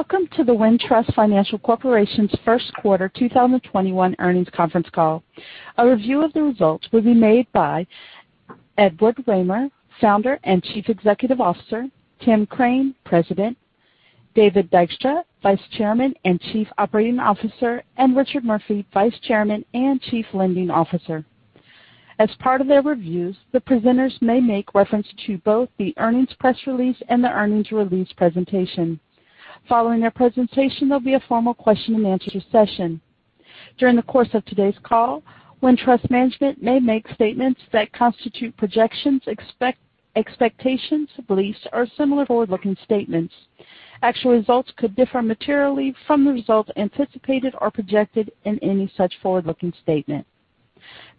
Welcome to the Wintrust Financial Corporation's first quarter 2021 earnings conference call. A review of the results will be made by Edward Wehmer, Founder and Chief Executive Officer, Tim Crane, President, David Dykstra, Vice Chairman and Chief Operating Officer, and Richard Murphy, Vice Chairman and Chief Lending Officer. As part of their reviews, the presenters may make reference to both the earnings press release and the earnings release presentation. Following their presentation, there'll be a formal question-and-answer session. During the course of today's call, Wintrust management may make statements that constitute projections, expectations, beliefs, or similar forward-looking statements. Actual results could differ materially from the results anticipated or projected in any such forward-looking statement.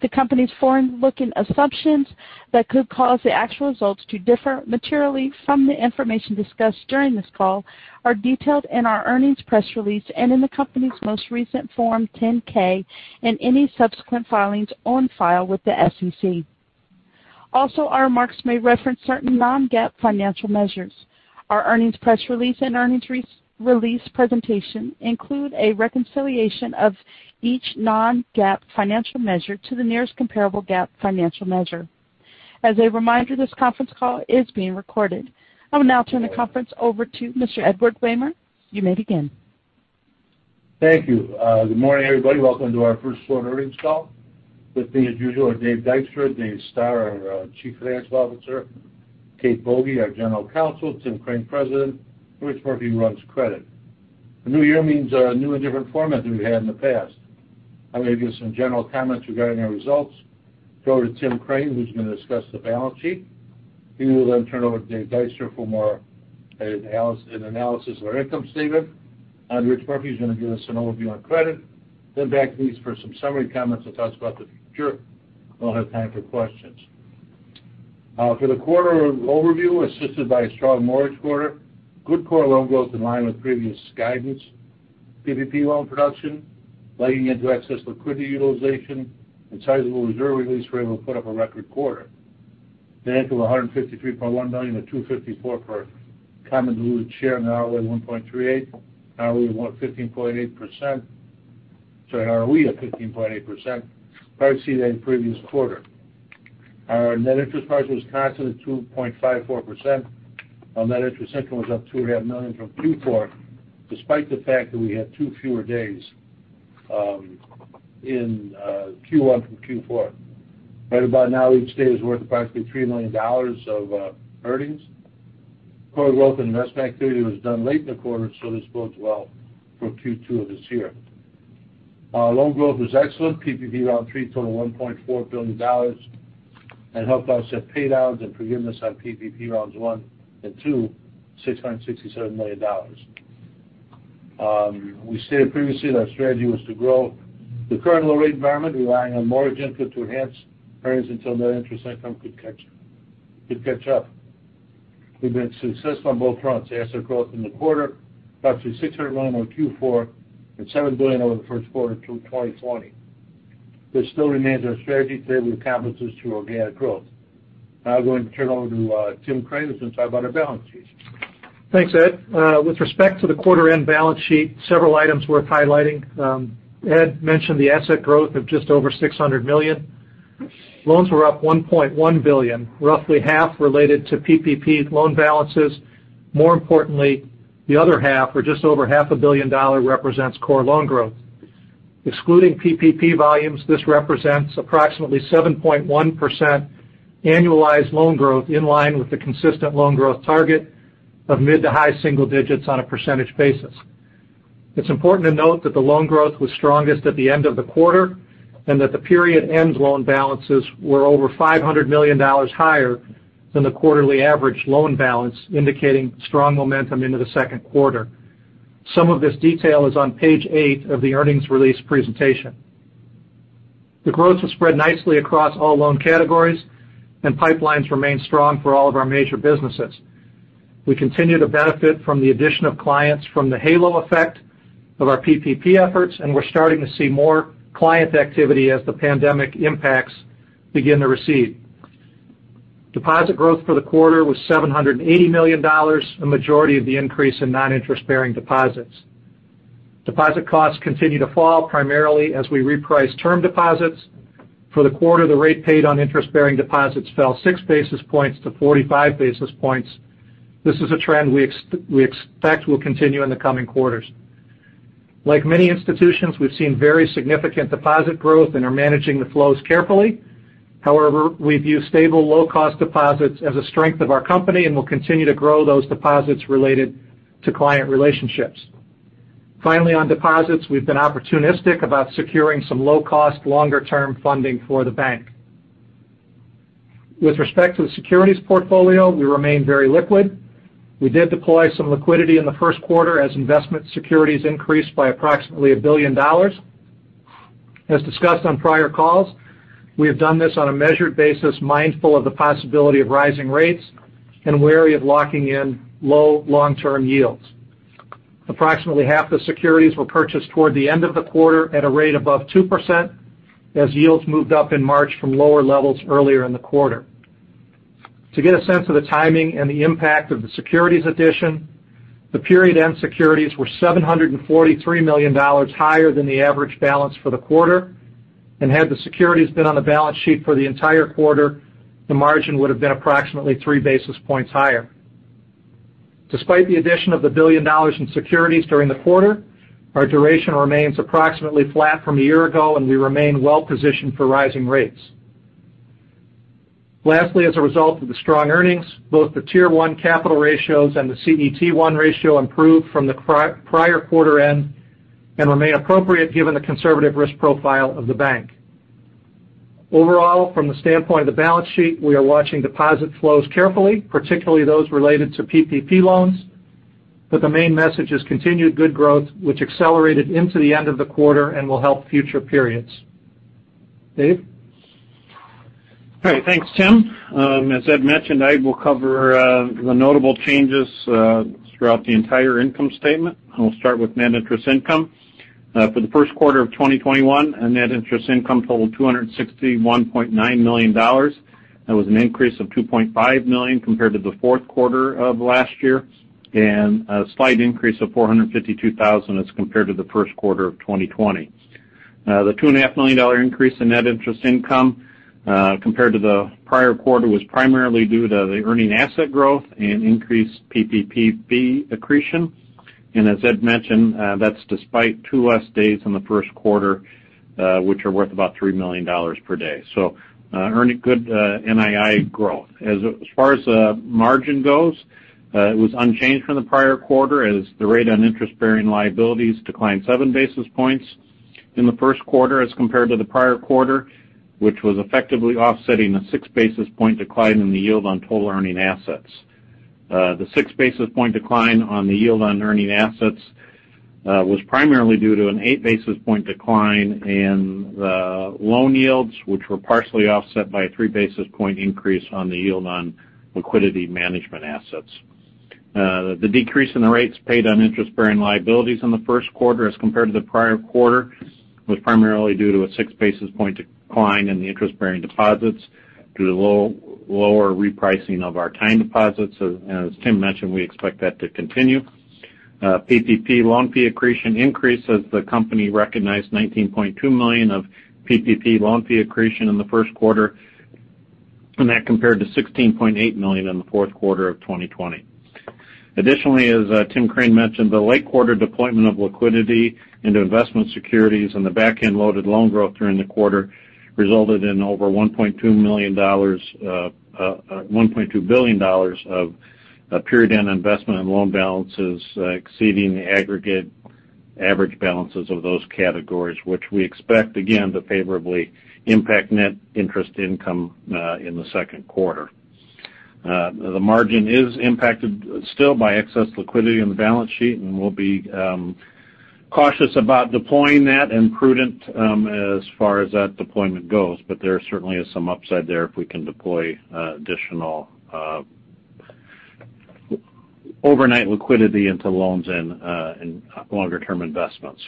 The company's forward-looking assumptions that could cause the actual results to differ materially from the information discussed during this call are detailed in our earnings press release and in the company's most recent Form 10-K and any subsequent filings on file with the SEC. Also, our remarks may reference certain non-GAAP financial measures. Our earnings press release and earnings release presentation include a reconciliation of each non-GAAP financial measure to the nearest comparable GAAP financial measure. As a reminder, this conference call is being recorded. I will now turn the conference over to Mr. Edward Wehmer. You may begin. Thank you. Good morning, everybody. Welcome to our first quarter earnings call. With me as usual are Dave Dykstra; Dave Stoehr, our Chief Financial Officer; Kate Boege, our General Counsel; Tim Crane, President; and Rich Murphy, who runs credit. The new year means a new and different format than we had in the past. I'm going to give some general comments regarding our results, go to Tim Crane, who's going to discuss the balance sheet. He will turn over to Dave Dykstra for more of an analysis of our income statement, and Rich Murphy's going to give us an overview on credit. Back to me for some summary comments to talk about the future. We'll have time for questions. For the quarter overview, assisted by a strong mortgage quarter, good core loan growth in line with previous guidance, PPP loan production, legging into excess liquidity utilization, and sizable reserve release, we're able to put up a record quarter. $153.1 million, or $2.54 per common diluted share, an ROA of 1.38%, an ROE of 15.8%, in the previous quarter. Our net interest margin was constant at 2.54%, while net interest income was up $2.5 million from Q4, despite the fact that we had two fewer days in Q1 from Q4. Right about now, each day is worth approximately $3 million of earnings. Core growth and investment activity was done late in the quarter. This bodes well for Q2 of this year. Our loan growth was excellent. PPP Round 3 totaled $1.4 billion and helped offset paydowns and forgiveness on PPP Rounds 1 and 2, $667 million. We stated previously that our strategy was to grow the current low-rate environment, relying on mortgage income to enhance earnings until net interest income could catch up. We've been successful on both fronts. Asset growth in the quarter, approximately $600 million over Q4, and $7 billion over the first quarter to 2020. This still remains our strategy today. We accomplished this through organic growth. I'm going to turn it over to Tim Crane, who's going to talk about our balance sheet. Thanks, Ed. With respect to the quarter-end balance sheet, several items worth highlighting. Ed mentioned the asset growth of just over $600 million. Loans were up $1.1 billion, roughly half related to PPP loan balances. More importantly, the other half, or just over $500 million, represents core loan growth. Excluding PPP volumes, this represents approximately 7.1% annualized loan growth in line with the consistent loan growth target of mid to high single digits on a percentage basis. It's important to note that the loan growth was strongest at the end of the quarter, and that the period-end loan balances were over $500 million higher than the quarterly average loan balance, indicating strong momentum into the second quarter. Some of this detail is on page eight of the earnings release presentation. The growth was spread nicely across all loan categories, and pipelines remain strong for all of our major businesses. We continue to benefit from the addition of clients from the halo effect of our PPP efforts, and we're starting to see more client activity as the pandemic impacts begin to recede. Deposit growth for the quarter was $780 million, a majority of the increase in non-interest-bearing deposits. Deposit costs continue to fall, primarily as we reprice term deposits. For the quarter, the rate paid on interest-bearing deposits fell 6 basis points to 45 basis points. This is a trend we expect will continue in the coming quarters. Like many institutions, we've seen very significant deposit growth and are managing the flows carefully. However, we view stable low-cost deposits as a strength of our company and will continue to grow those deposits related to client relationships. Finally, on deposits, we've been opportunistic about securing some low-cost, longer-term funding for the bank. With respect to the securities portfolio, we remain very liquid. We did deploy some liquidity in the first quarter as investment securities increased by approximately $1 billion. As discussed on prior calls, we have done this on a measured basis, mindful of the possibility of rising rates and wary of locking in low long-term yields. Approximately half the securities were purchased toward the end of the quarter at a rate above 2% as yields moved up in March from lower levels earlier in the quarter. To get a sense of the timing and the impact of the securities addition, the period-end securities were $743 million higher than the average balance for the quarter, and had the securities been on the balance sheet for the entire quarter, the margin would've been approximately 3 basis points higher. Despite the addition of $1 billion in securities during the quarter, our duration remains approximately flat from a year ago, and we remain well-positioned for rising rates. Lastly, as a result of the strong earnings, both the Tier 1 capital ratios and the CET1 ratio improved from the prior quarter end and remain appropriate given the conservative risk profile of the bank. Overall, from the standpoint of the balance sheet, we are watching deposit flows carefully, particularly those related to PPP loans. The main message is continued good growth, which accelerated into the end of the quarter and will help future periods. Dave? All right. Thanks, Tim. As Ed mentioned, I will cover the notable changes throughout the entire income statement. I'll start with net interest income. For the first quarter of 2021, our net interest income totaled $261.9 million. That was an increase of $2.5 million compared to the fourth quarter of last year, and a slight increase of $452,000 as compared to the first quarter of 2020. The $2.5 million increase in net interest income, compared to the prior quarter, was primarily due to the earning asset growth and increased PPP fee accretion. As Ed mentioned, that's despite two less days in the first quarter, which are worth about $3 million per day. Earning good NII growth. As far as margin goes, it was unchanged from the prior quarter as the rate on interest-bearing liabilities declined 7 basis points in the first quarter as compared to the prior quarter, which was effectively offsetting a 6 basis point decline in the yield on total earning assets. The 6 basis point decline on the yield on earning assets was primarily due to an 8 basis point decline in the loan yields, which were partially offset by a 3 basis point increase on the yield on liquidity management assets. The decrease in the rates paid on interest-bearing liabilities in the first quarter as compared to the prior quarter was primarily due to a 6 basis point decline in the interest-bearing deposits due to lower repricing of our time deposits. As Tim mentioned, we expect that to continue. PPP loan fee accretion increased as the company recognized $19.2 million of PPP loan fee accretion in the first quarter. That compared to $16.8 million in the fourth quarter of 2020. Additionally, as Tim Crane mentioned, the late quarter deployment of liquidity into investment securities and the back-end loaded loan growth during the quarter resulted in over $1.2 billion of period-end investment and loan balances exceeding the aggregate average balances of those categories, which we expect, again, to favorably impact net interest income in the second quarter. The margin is impacted still by excess liquidity on the balance sheet. We'll be cautious about deploying that and prudent as far as that deployment goes. There certainly is some upside there if we can deploy additional overnight liquidity into loans and longer-term investments.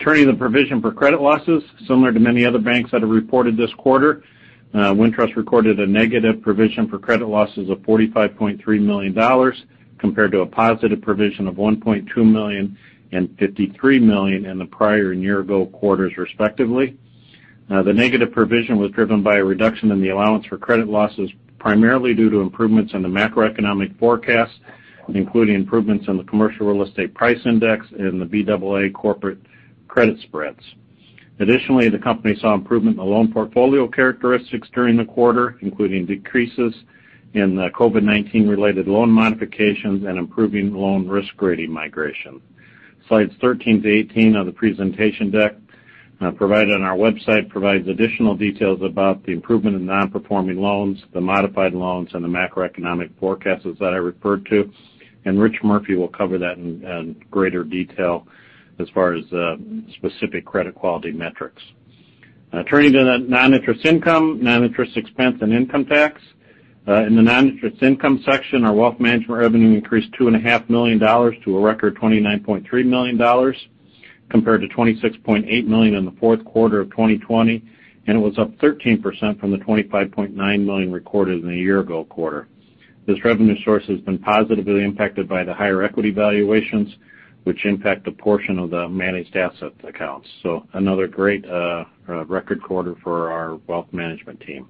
Turning to the provision for credit losses, similar to many other banks that have reported this quarter, Wintrust recorded a negative provision for credit losses of $45.3 million, compared to a positive provision of $1.2 million and $53 million in the prior year-ago quarters respectively. The negative provision was driven by a reduction in the allowance for credit losses, primarily due to improvements in the macroeconomic forecast, including improvements in the commercial real estate price index and the BAA corporate credit spreads. Additionally, the company saw improvement in the loan portfolio characteristics during the quarter, including decreases in the COVID-19-related loan modifications and improving loan risk rating migration. Slides 13-18 of the presentation deck provided on our website provides additional details about the improvement in non-performing loans, the modified loans, and the macroeconomic forecasts that I referred to. Rich Murphy will cover that in greater detail as far as specific credit quality metrics. Turning to the non-interest income, non-interest expense and income tax. In the non-interest income section, our wealth management revenue increased $2.5 million to a record $29.3 million, compared to $26.8 million in the fourth quarter of 2020. It was up 13% from the $25.9 million recorded in the year-ago quarter. This revenue source has been positively impacted by the higher equity valuations, which impact a portion of the managed asset accounts. Another great record quarter for our wealth management team.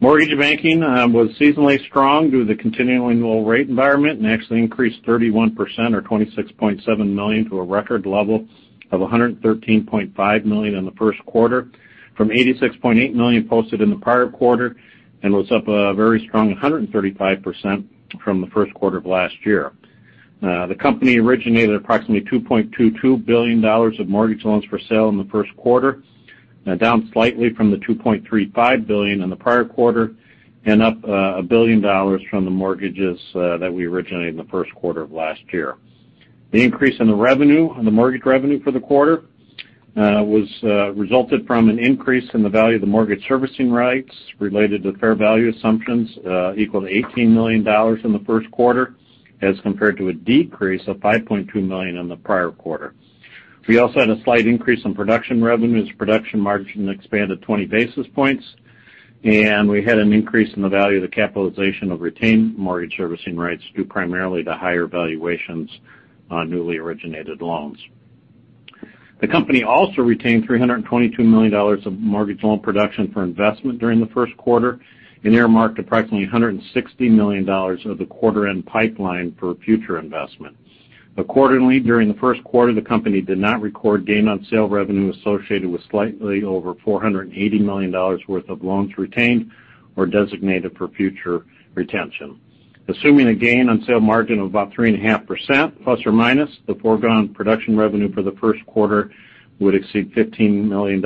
Mortgage banking was seasonally strong due to the continuing low rate environment. It actually increased 31%, or $26.7 million, to a record level of $113.5 million in the first quarter from $86.8 million posted in the prior quarter. It was up a very strong 135% from the first quarter of last year. The company originated approximately $2.22 billion of mortgage loans for sale in the first quarter, down slightly from the $2.35 billion in the prior quarter and up $1 billion from the mortgages that we originated in the first quarter of last year. The increase in the mortgage revenue for the quarter resulted from an increase in the value of the mortgage servicing rights related to fair value assumptions equal to $18 million in the first quarter as compared to a decrease of $5.2 million in the prior quarter. We also had a slight increase in production revenues. Production margin expanded 20 basis points. We had an increase in the value of the capitalization of retained mortgage servicing rights, due primarily to higher valuations on newly originated loans. The company also retained $322 million of mortgage loan production for investment during the first quarter and earmarked approximately $160 million of the quarter-end pipeline for future investments. Quarterly, during the first quarter, the company did not record gain on sale revenue associated with slightly over $480 million worth of loans retained or designated for future retention. Assuming a gain on sale margin of about 3.5% ±, the foregone production revenue for the first quarter would exceed $15 million.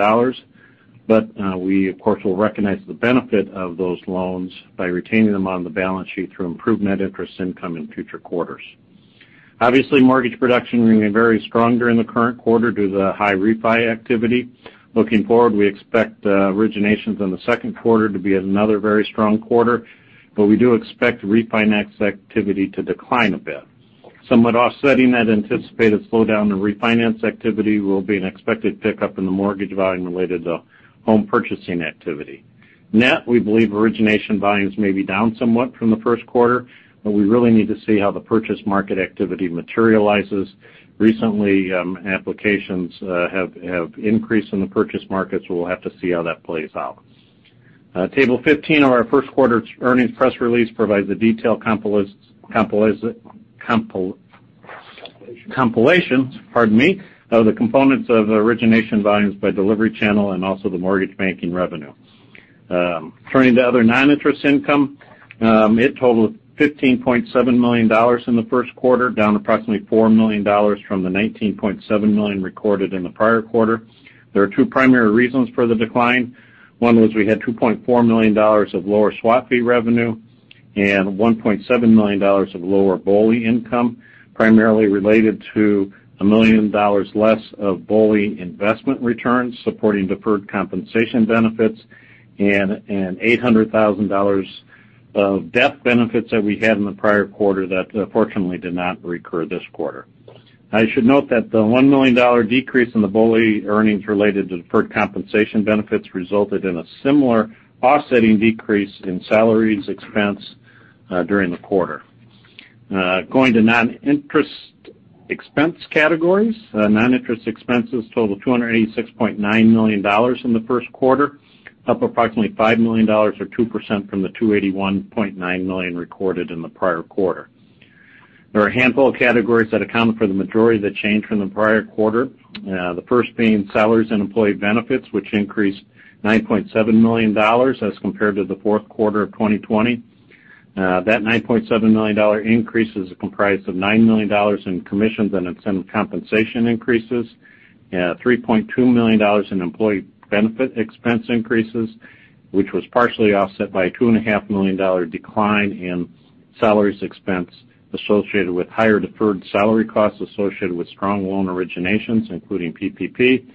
We, of course, will recognize the benefit of those loans by retaining them on the balance sheet through improved net interest income in future quarters. Obviously, mortgage production remained very strong during the current quarter due to the high refi activity. Looking forward, we expect originations in the second quarter to be another very strong quarter, but we do expect refinance activity to decline a bit. Somewhat offsetting that anticipated slowdown in refinance activity will be an expected pickup in the mortgage volume related to home purchasing activity. Net, we believe origination volumes may be down somewhat from the first quarter, but we really need to see how the purchase market activity materializes. Recently, applications have increased in the purchase market, so we'll have to see how that plays out. Table 15 of our first quarter earnings press release provides a detailed compilation of the components of origination volumes by delivery channel and also the mortgage banking revenue. Turning to other non-interest income. It totaled $15.7 million in the first quarter, down approximately $4 million from the $19.7 million recorded in the prior quarter. There are two primary reasons for the decline. One was we had $2.4 million of lower swap fee revenue and $1.7 million of lower BOLI income, primarily related to $1 million less of BOLI investment returns supporting deferred compensation benefits and $800,000 of death benefits that we had in the prior quarter that fortunately did not recur this quarter. I should note that the $1 million decrease in the BOLI earnings related to deferred compensation benefits resulted in a similar offsetting decrease in salaries expense during the quarter. Going to non-interest expense categories. Non-interest expenses totaled $286.9 million in the first quarter, up approximately $5 million, or 2%, from the $281.9 million recorded in the prior quarter. There are a handful of categories that account for the majority of the change from the prior quarter. The first being salaries and employee benefits, which increased $9.7 million as compared to the fourth quarter of 2020. That $9.7 million increase is comprised of $9 million in commissions and incentive compensation increases and $3.2 million in employee benefit expense increases, which was partially offset by a $2.5 million decline in salaries expense associated with higher deferred salary costs associated with strong loan originations, including PPP,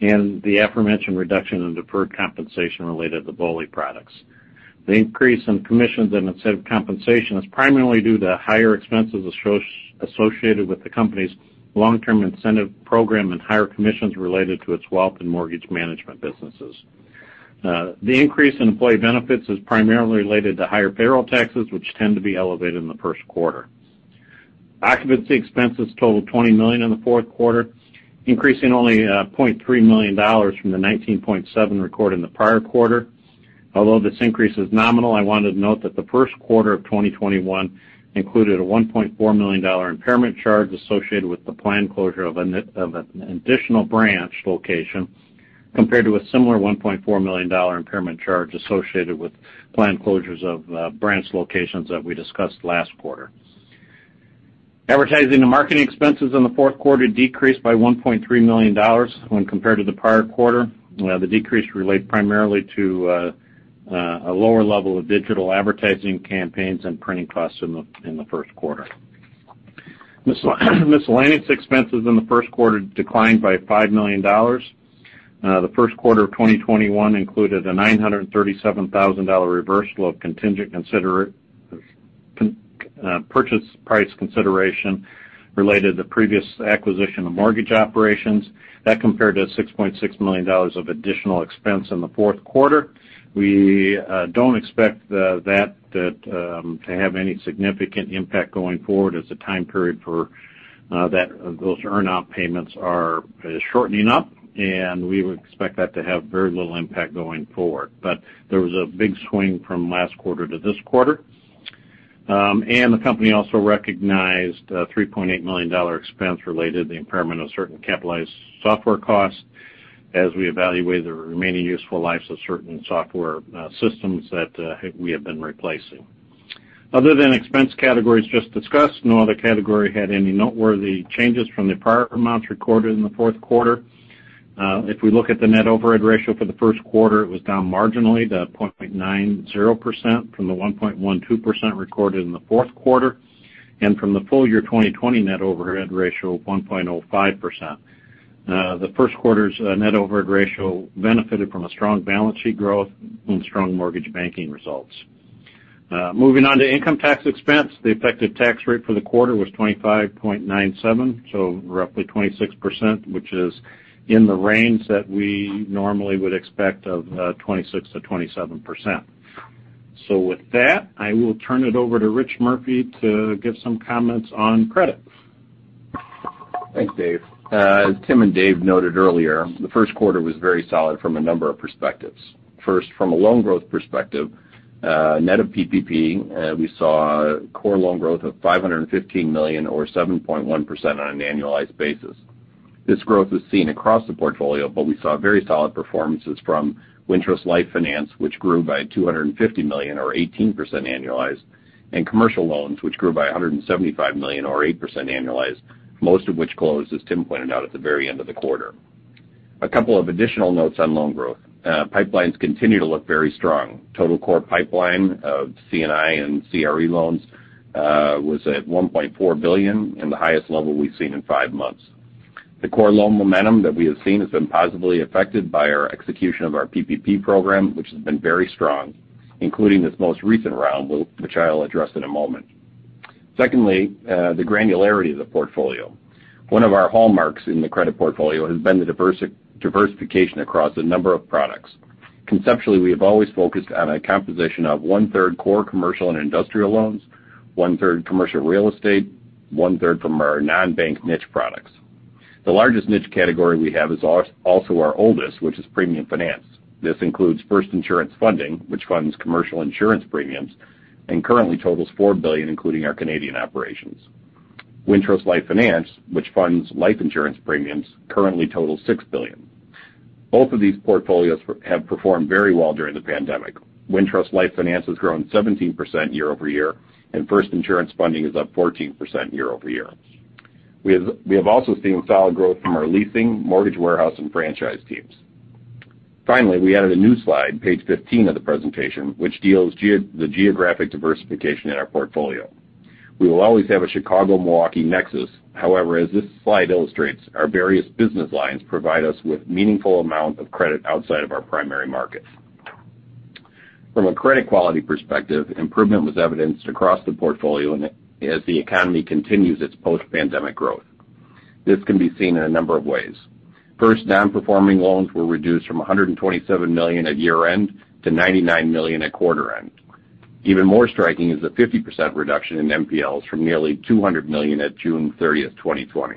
and the aforementioned reduction in deferred compensation related to BOLI products. The increase in commissions and incentive compensation is primarily due to higher expenses associated with the company's long-term incentive program and higher commissions related to its wealth and mortgage management businesses. The increase in employee benefits is primarily related to higher payroll taxes, which tend to be elevated in the first quarter. Occupancy expenses totaled $20 million in the fourth quarter, increasing only $0.3 million from the $19.7 recorded in the prior quarter. Although this increase is nominal, I wanted to note that the first quarter of 2021 included a $1.4 million impairment charge associated with the planned closure of an additional branch location, compared to a similar $1.4 million impairment charge associated with planned closures of branch locations that we discussed last quarter. Advertising and marketing expenses in the fourth quarter decreased by $1.3 million when compared to the prior quarter. The decrease relate primarily to a lower level of digital advertising campaigns and printing costs in the first quarter. Miscellaneous expenses in the first quarter declined by $5 million. The first quarter of 2021 included a $937,000 reversal of contingent purchase price consideration related to previous acquisition of mortgage operations. That compared to $6.6 million of additional expense in the fourth quarter. We don't expect that to have any significant impact going forward as the time period for those earn-out payments are shortening up, and we would expect that to have very little impact going forward. There was a big swing from last quarter to this quarter. The company also recognized a $3.8 million expense related to the impairment of certain capitalized software costs as we evaluate the remaining useful lives of certain software systems that we have been replacing. Other than expense categories just discussed, no other category had any noteworthy changes from the prior amounts recorded in the fourth quarter. If we look at the net overhead ratio for the first quarter, it was down marginally to 0.90% from the 1.12% recorded in the fourth quarter, and from the full year 2020 net overhead ratio of 1.05%. The first quarter's net overhead ratio benefited from a strong balance sheet growth and strong mortgage banking results. Moving on to income tax expense. The effective tax rate for the quarter was 25.97%, so roughly 26%, which is in the range that we normally would expect of 26%-27%. With that, I will turn it over to Rich Murphy to give some comments on credit. Thanks, Dave. As Tim and Dave noted earlier, the first quarter was very solid from a number of perspectives. First, from a loan growth perspective, net of PPP, we saw core loan growth of $515 million or 7.1% on an annualized basis. This growth was seen across the portfolio, but we saw very solid performances from Wintrust Life Finance, which grew by $250 million or 18% annualized, and commercial loans, which grew by $175 million or 8% annualized, most of which closed, as Tim pointed out, at the very end of the quarter. A couple of additional notes on loan growth. Pipelines continue to look very strong. Total core pipeline of C&I and CRE loans was at $1.4 billion and the highest level we've seen in five months. The core loan momentum that we have seen has been positively affected by our execution of our PPP program, which has been very strong, including this most recent round, which I'll address in a moment. Secondly, the granularity of the portfolio. One of our hallmarks in the credit portfolio has been the diversification across a number of products. Conceptually, we have always focused on a composition of 1/3 core commercial and industrial loans, 1/3 commercial real estate, 1/3 from our non-bank niche products. The largest niche category we have is also our oldest, which is premium finance. This includes FIRST Insurance Funding, which funds commercial insurance premiums and currently totals $4 billion, including our Canadian operations. Wintrust Life Finance, which funds life insurance premiums, currently totals $6 billion. Both of these portfolios have performed very well during the pandemic. Wintrust Life Finance has grown 17% year-over-year. FIRST Insurance Funding is up 14% year-over-year. We have also seen solid growth from our leasing, mortgage warehouse, and franchise teams. Finally, we added a new slide, page 15 of the presentation, which details the geographic diversification in our portfolio. We will always have a Chicago-Milwaukee nexus. However, as this slide illustrates, our various business lines provide us with meaningful amount of credit outside of our primary markets. From a credit quality perspective, improvement was evidenced across the portfolio as the economy continues its post-pandemic growth. This can be seen in a number of ways. First, non-performing loans were reduced from $127 million at year-end to $99 million at quarter end. Even more striking is the 50% reduction in NPLs from nearly $200 million on June 30th, 2020.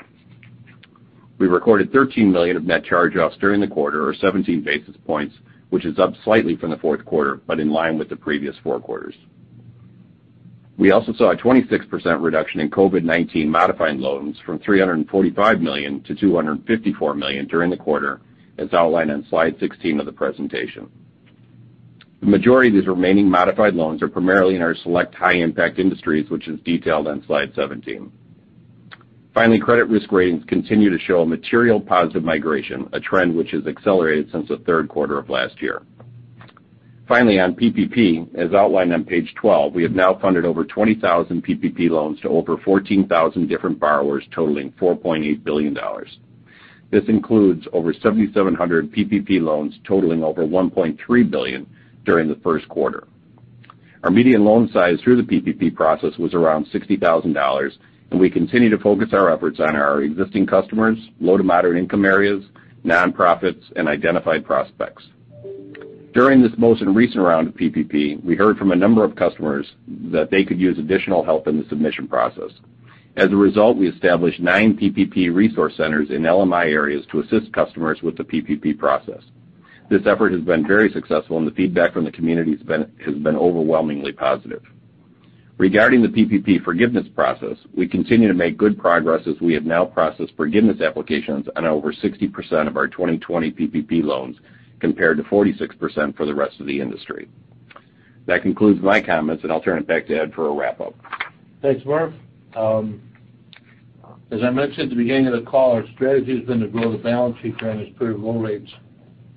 We recorded $13 million of net charge-offs during the quarter, or 17 basis points, which is up slightly from the fourth quarter, but in line with the previous four quarters. We also saw a 26% reduction in COVID-19 modified loans from $345 million to $254 million during the quarter, as outlined on slide 16 of the presentation. The majority of these remaining modified loans are primarily in our select high-impact industries, which is detailed on slide 17. Finally, credit risk ratings continue to show a material positive migration, a trend which has accelerated since the third quarter of last year. Finally, on PPP, as outlined on page 12, we have now funded over 20,000 PPP loans to over 14,000 different borrowers totaling $4.8 billion. This includes over 7,700 PPP loans totaling over $1.3 billion during the first quarter. Our median loan size through the PPP process was around $60,000, and we continue to focus our efforts on our existing customers, low to moderate income areas, non-profits, and identified prospects. During this most recent round of PPP, we heard from a number of customers that they could use additional help in the submission process. As a result, we established nine PPP resource centers in LMI areas to assist customers with the PPP process. This effort has been very successful, and the feedback from the community has been overwhelmingly positive. Regarding the PPP forgiveness process, we continue to make good progress as we have now processed forgiveness applications on over 60% of our 2020 PPP loans, compared to 46% for the rest of the industry. That concludes my comments, and I'll turn it back to Ed for a wrap-up. Thanks, Murph. As I mentioned at the beginning of the call, our strategy has been to grow the balance sheet during this period of low rates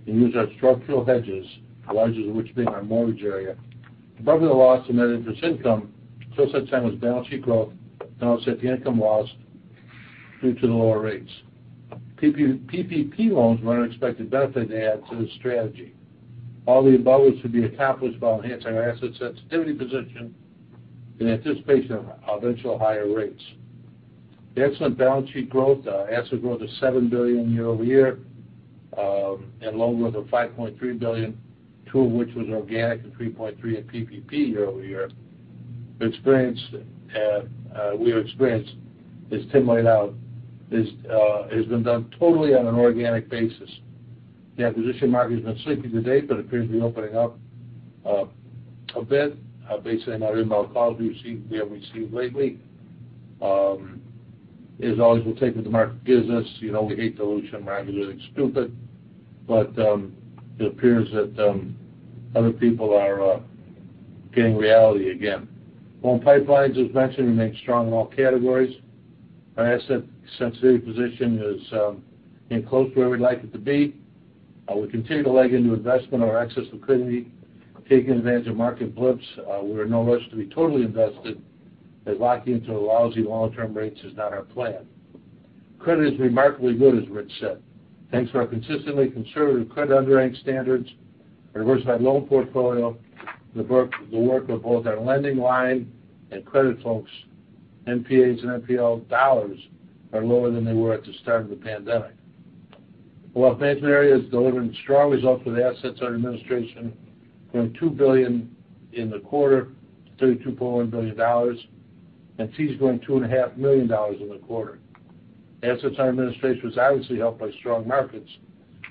and use our structural hedges, the largest of which being our mortgage area. Above the loss net interest income, so such thing as balance sheet growth, offset the income loss due to the lower rates. PPP loans were an unexpected benefit to add to the strategy. All the above is to be accomplished by enhancing our asset sensitivity position in anticipation of eventual higher rates. The excellent balance sheet growth, asset growth of $7 billion year-over-year, and loan growth of $5.3 billion, $2 billion of which was organic and $3.3 billion of PPP year-over-year. We experienced, as Tim laid out, it has been done totally on an organic basis. The acquisition market has been sleepy to date, but appears to be opening up a bit based on our inbound calls we have received lately. As always, we'll take what the market gives us. We hate to lose some money doing stupid, but it appears that other people are getting reality again. Loan pipelines, as mentioned, remain strong in all categories. Our asset sensitivity position is getting close to where we'd like it to be. We continue to leg into investment of our excess liquidity, taking advantage of market blips. We're in no rush to be totally invested, as locking into lousy long-term rates is not our plan. Credit is remarkably good, as Rich said. Thanks to our consistently conservative credit underwriting standards, our diversified loan portfolio, the work of both our lending line and credit folks, NPAs and NPL dollars are lower than they were at the start of the pandemic. Wealth management area is delivering strong results with assets under administration growing $2 billion in the quarter to $32.1 billion, and fees growing $2.5 million in the quarter. Assets under administration was obviously helped by strong markets.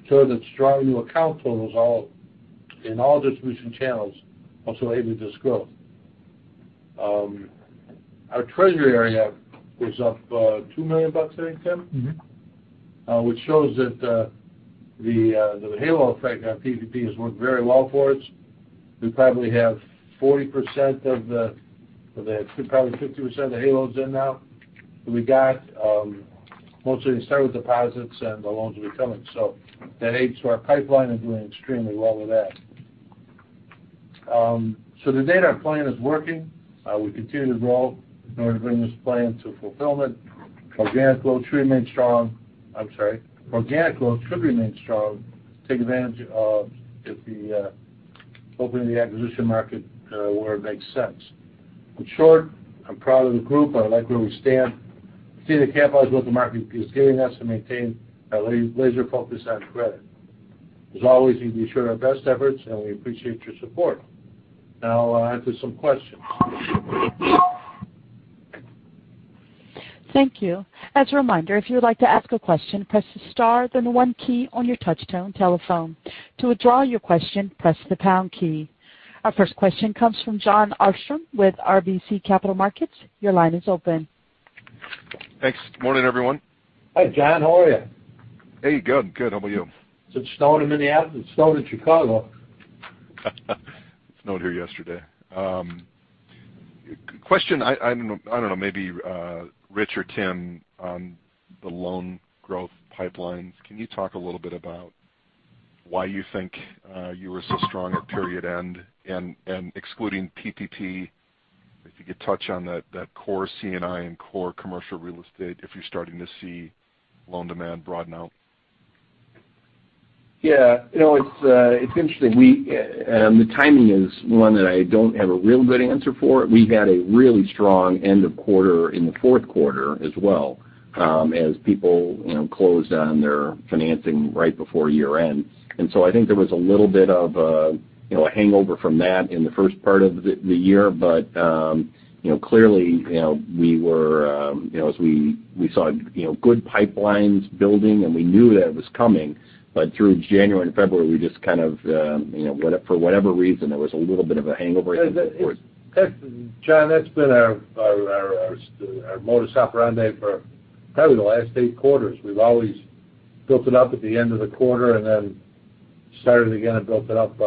Growth in strong new account totals in all distribution channels also aided this growth. Our treasury area was up $2 million, I think, Tim? Which shows that the halo effect on PPP has worked very well for us. We probably have 40%, probably 50% of the halos in now. We got mostly start with deposits and the loans are coming. That aids to our pipeline and doing extremely well with that. To date, our plan is working. We continue to grow in order to bring this plan to fulfillment. Organic growth should remain strong. Take advantage of opening the acquisition market where it makes sense. In short, I'm proud of the group. I like where we stand. Continue to capitalize what the market is giving us, and maintain a laser focus on credit. As always, you can be sure our best efforts, and we appreciate your support. Now I'll answer some questions. Thank you. As a reminder, if you would like to ask a question, press star then the one key on your touch-tone telephone. To withdraw your question, press the pound key. Our first question comes from Jon Arfstrom with RBC Capital Markets. Your line is open. Thanks. Morning, everyone. Hi, Jon. How are you? Hey, good. How about you? Is it snowing in Minneapolis? It's snowing in Chicago. It snowed here yesterday. Question, I don't know, maybe Rich or Tim, on the loan growth pipelines, can you talk a little bit about why you think you were so strong at period end? Excluding PPP, if you could touch on that core C&I and core commercial real estate, if you're starting to see loan demand broaden out. Yeah. It's interesting. The timing is one that I don't have a real good answer for. We had a really strong end of quarter in the fourth quarter as well, as people closed on their financing right before year-end. I think there was a little bit of a hangover from that in the first part of the year. Clearly, as we saw good pipelines building, and we knew that it was coming. Through January and February, for whatever reason, there was a little bit of a hangover going forward. Jon, that's been our modus operandi for probably the last eight quarters. We've always built it up at the end of the quarter and then started again and built it up.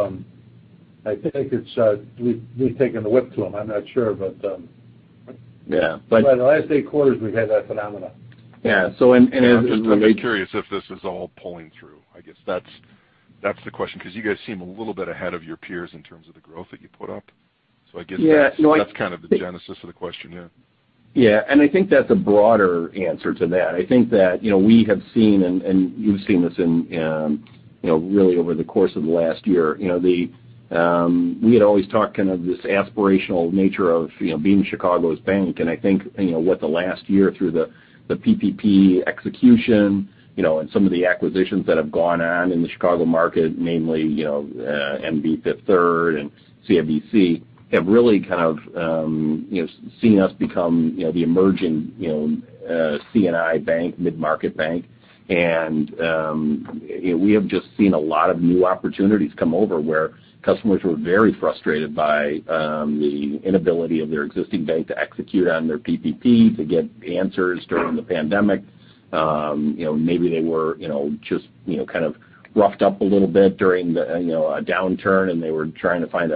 I think we've taken the whip to them. I'm not sure. The last eight quarters, we've had that phenomenon. I'm just curious if this is all pulling through. I guess that's the question, because you guys seem a little bit ahead of your peers in terms of the growth that you put up. I guess that's kind of the genesis of the question, yeah. Yeah. I think that's a broader answer to that. I think that we have seen, and you've seen this really over the course of the last year. We had always talked kind of this aspirational nature of being Chicago's bank. I think what the last year through the PPP execution, and some of the acquisitions that have gone on in the Chicago market, namely MB Fifth Third and CIBC, have really kind of seen us become the emerging C&I bank, mid-market bank. We have just seen a lot of new opportunities come over where customers were very frustrated by the inability of their existing bank to execute on their PPP, to get answers during the pandemic. Maybe they were just kind of roughed up a little bit during a downturn, and they were trying to find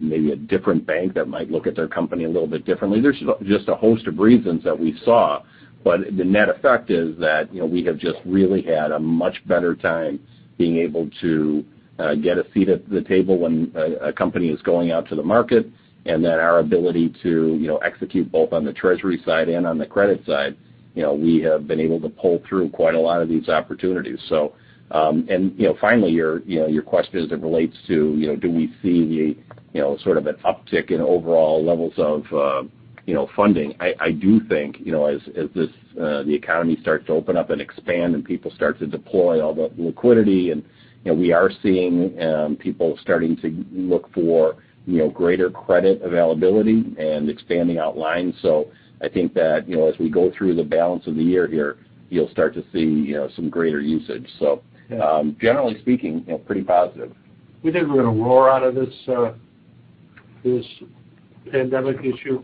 maybe a different bank that might look at their company a little bit differently. There's just a host of reasons that we saw. The net effect is that we have just really had a much better time being able to get a seat at the table when a company is going out to the market, and that our ability to execute both on the treasury side and on the credit side. We have been able to pull through quite a lot of these opportunities. Finally, your question as it relates to do we see sort of an uptick in overall levels of funding? I do think as the economy starts to open up and expand and people start to deploy all the liquidity, and we are seeing people starting to look for greater credit availability and expanding out lines. I think that as we go through the balance of the year here, you'll start to see some greater usage. Generally speaking, pretty positive. We think we're going to roar out of this pandemic issue.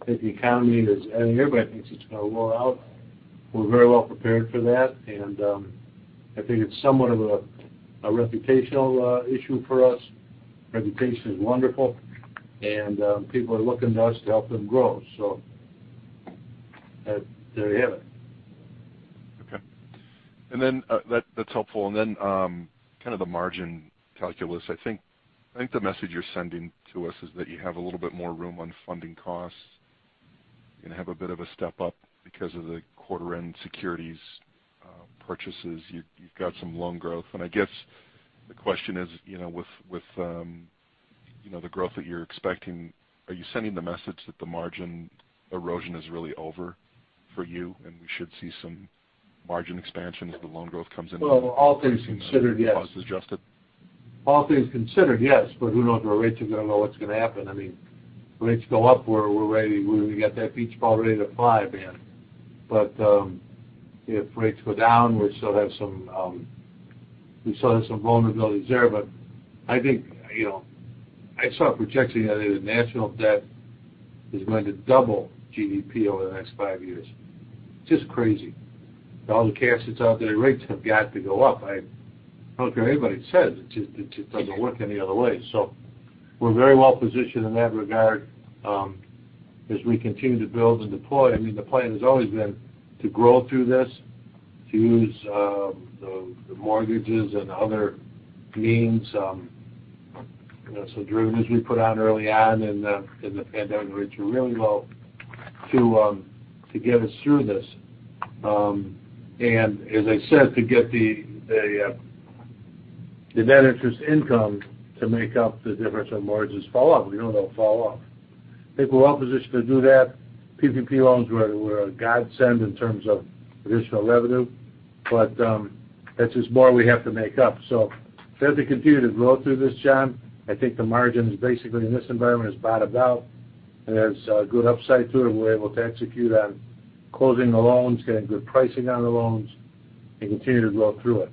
I think the economy is, and everybody thinks it's going to roar out. We're very well prepared for that. I think it's somewhat of a reputational issue for us. Reputation is wonderful, and people are looking to us to help them grow. There you have it. Okay. That's helpful. Kind of the margin calculus. I think the message you're sending to us is that you have a little bit more room on funding costs. You're going to have a bit of a step up because of the quarter-end securities purchases. You've got some loan growth. I guess the question is, with the growth that you're expecting, are you sending the message that the margin erosion is really over for you, and we should see some margin expansion as the loan growth comes in? Well, all things considered, yes. Costs adjusted. All things considered, yes. Who knows where rates are going to go, what's going to happen. If rates go up, we've got that beach ball ready to fly, man. If rates go down, we still have some vulnerabilities there. I saw a projection the other day that national debt is going to double GDP over the next five years. Just crazy. With all the cash that's out there, rates have got to go up. I don't care what anybody says. It just doesn't work any other way. We're very well-positioned in that regard as we continue to build and deploy. The plan has always been to grow through this, to use the mortgages and other means, some derivatives we put on early on in the pandemic, rates were really low, to get us through this. As I said, to get the net interest income to make up the difference when mortgages fall off. We know they'll fall off. I think we're well-positioned to do that. PPP loans were a godsend in terms of additional revenue. That's just more we have to make up. We have to continue to grow through this, Jon. I think the margin is basically, in this environment, has bottomed out, and there's a good upside to it. We're able to execute on closing the loans, getting good pricing on the loans, and continue to grow through it.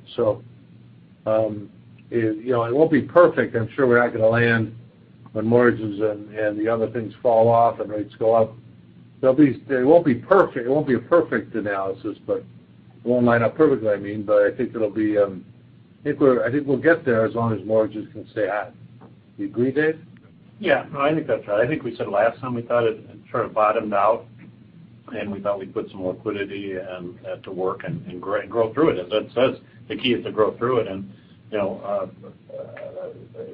It won't be perfect. I'm sure we're not going to land when mortgages and the other things fall off and rates go up. It won't be a perfect analysis. It won't line up perfectly, I mean, but I think we'll get there as long as mortgages can stay high. Do you agree, Dave? Yeah. No, I think that's right. I think we said last time we thought it sort of bottomed out, and we thought we'd put some liquidity to work and grow through it. As Ed says, the key is to grow through it.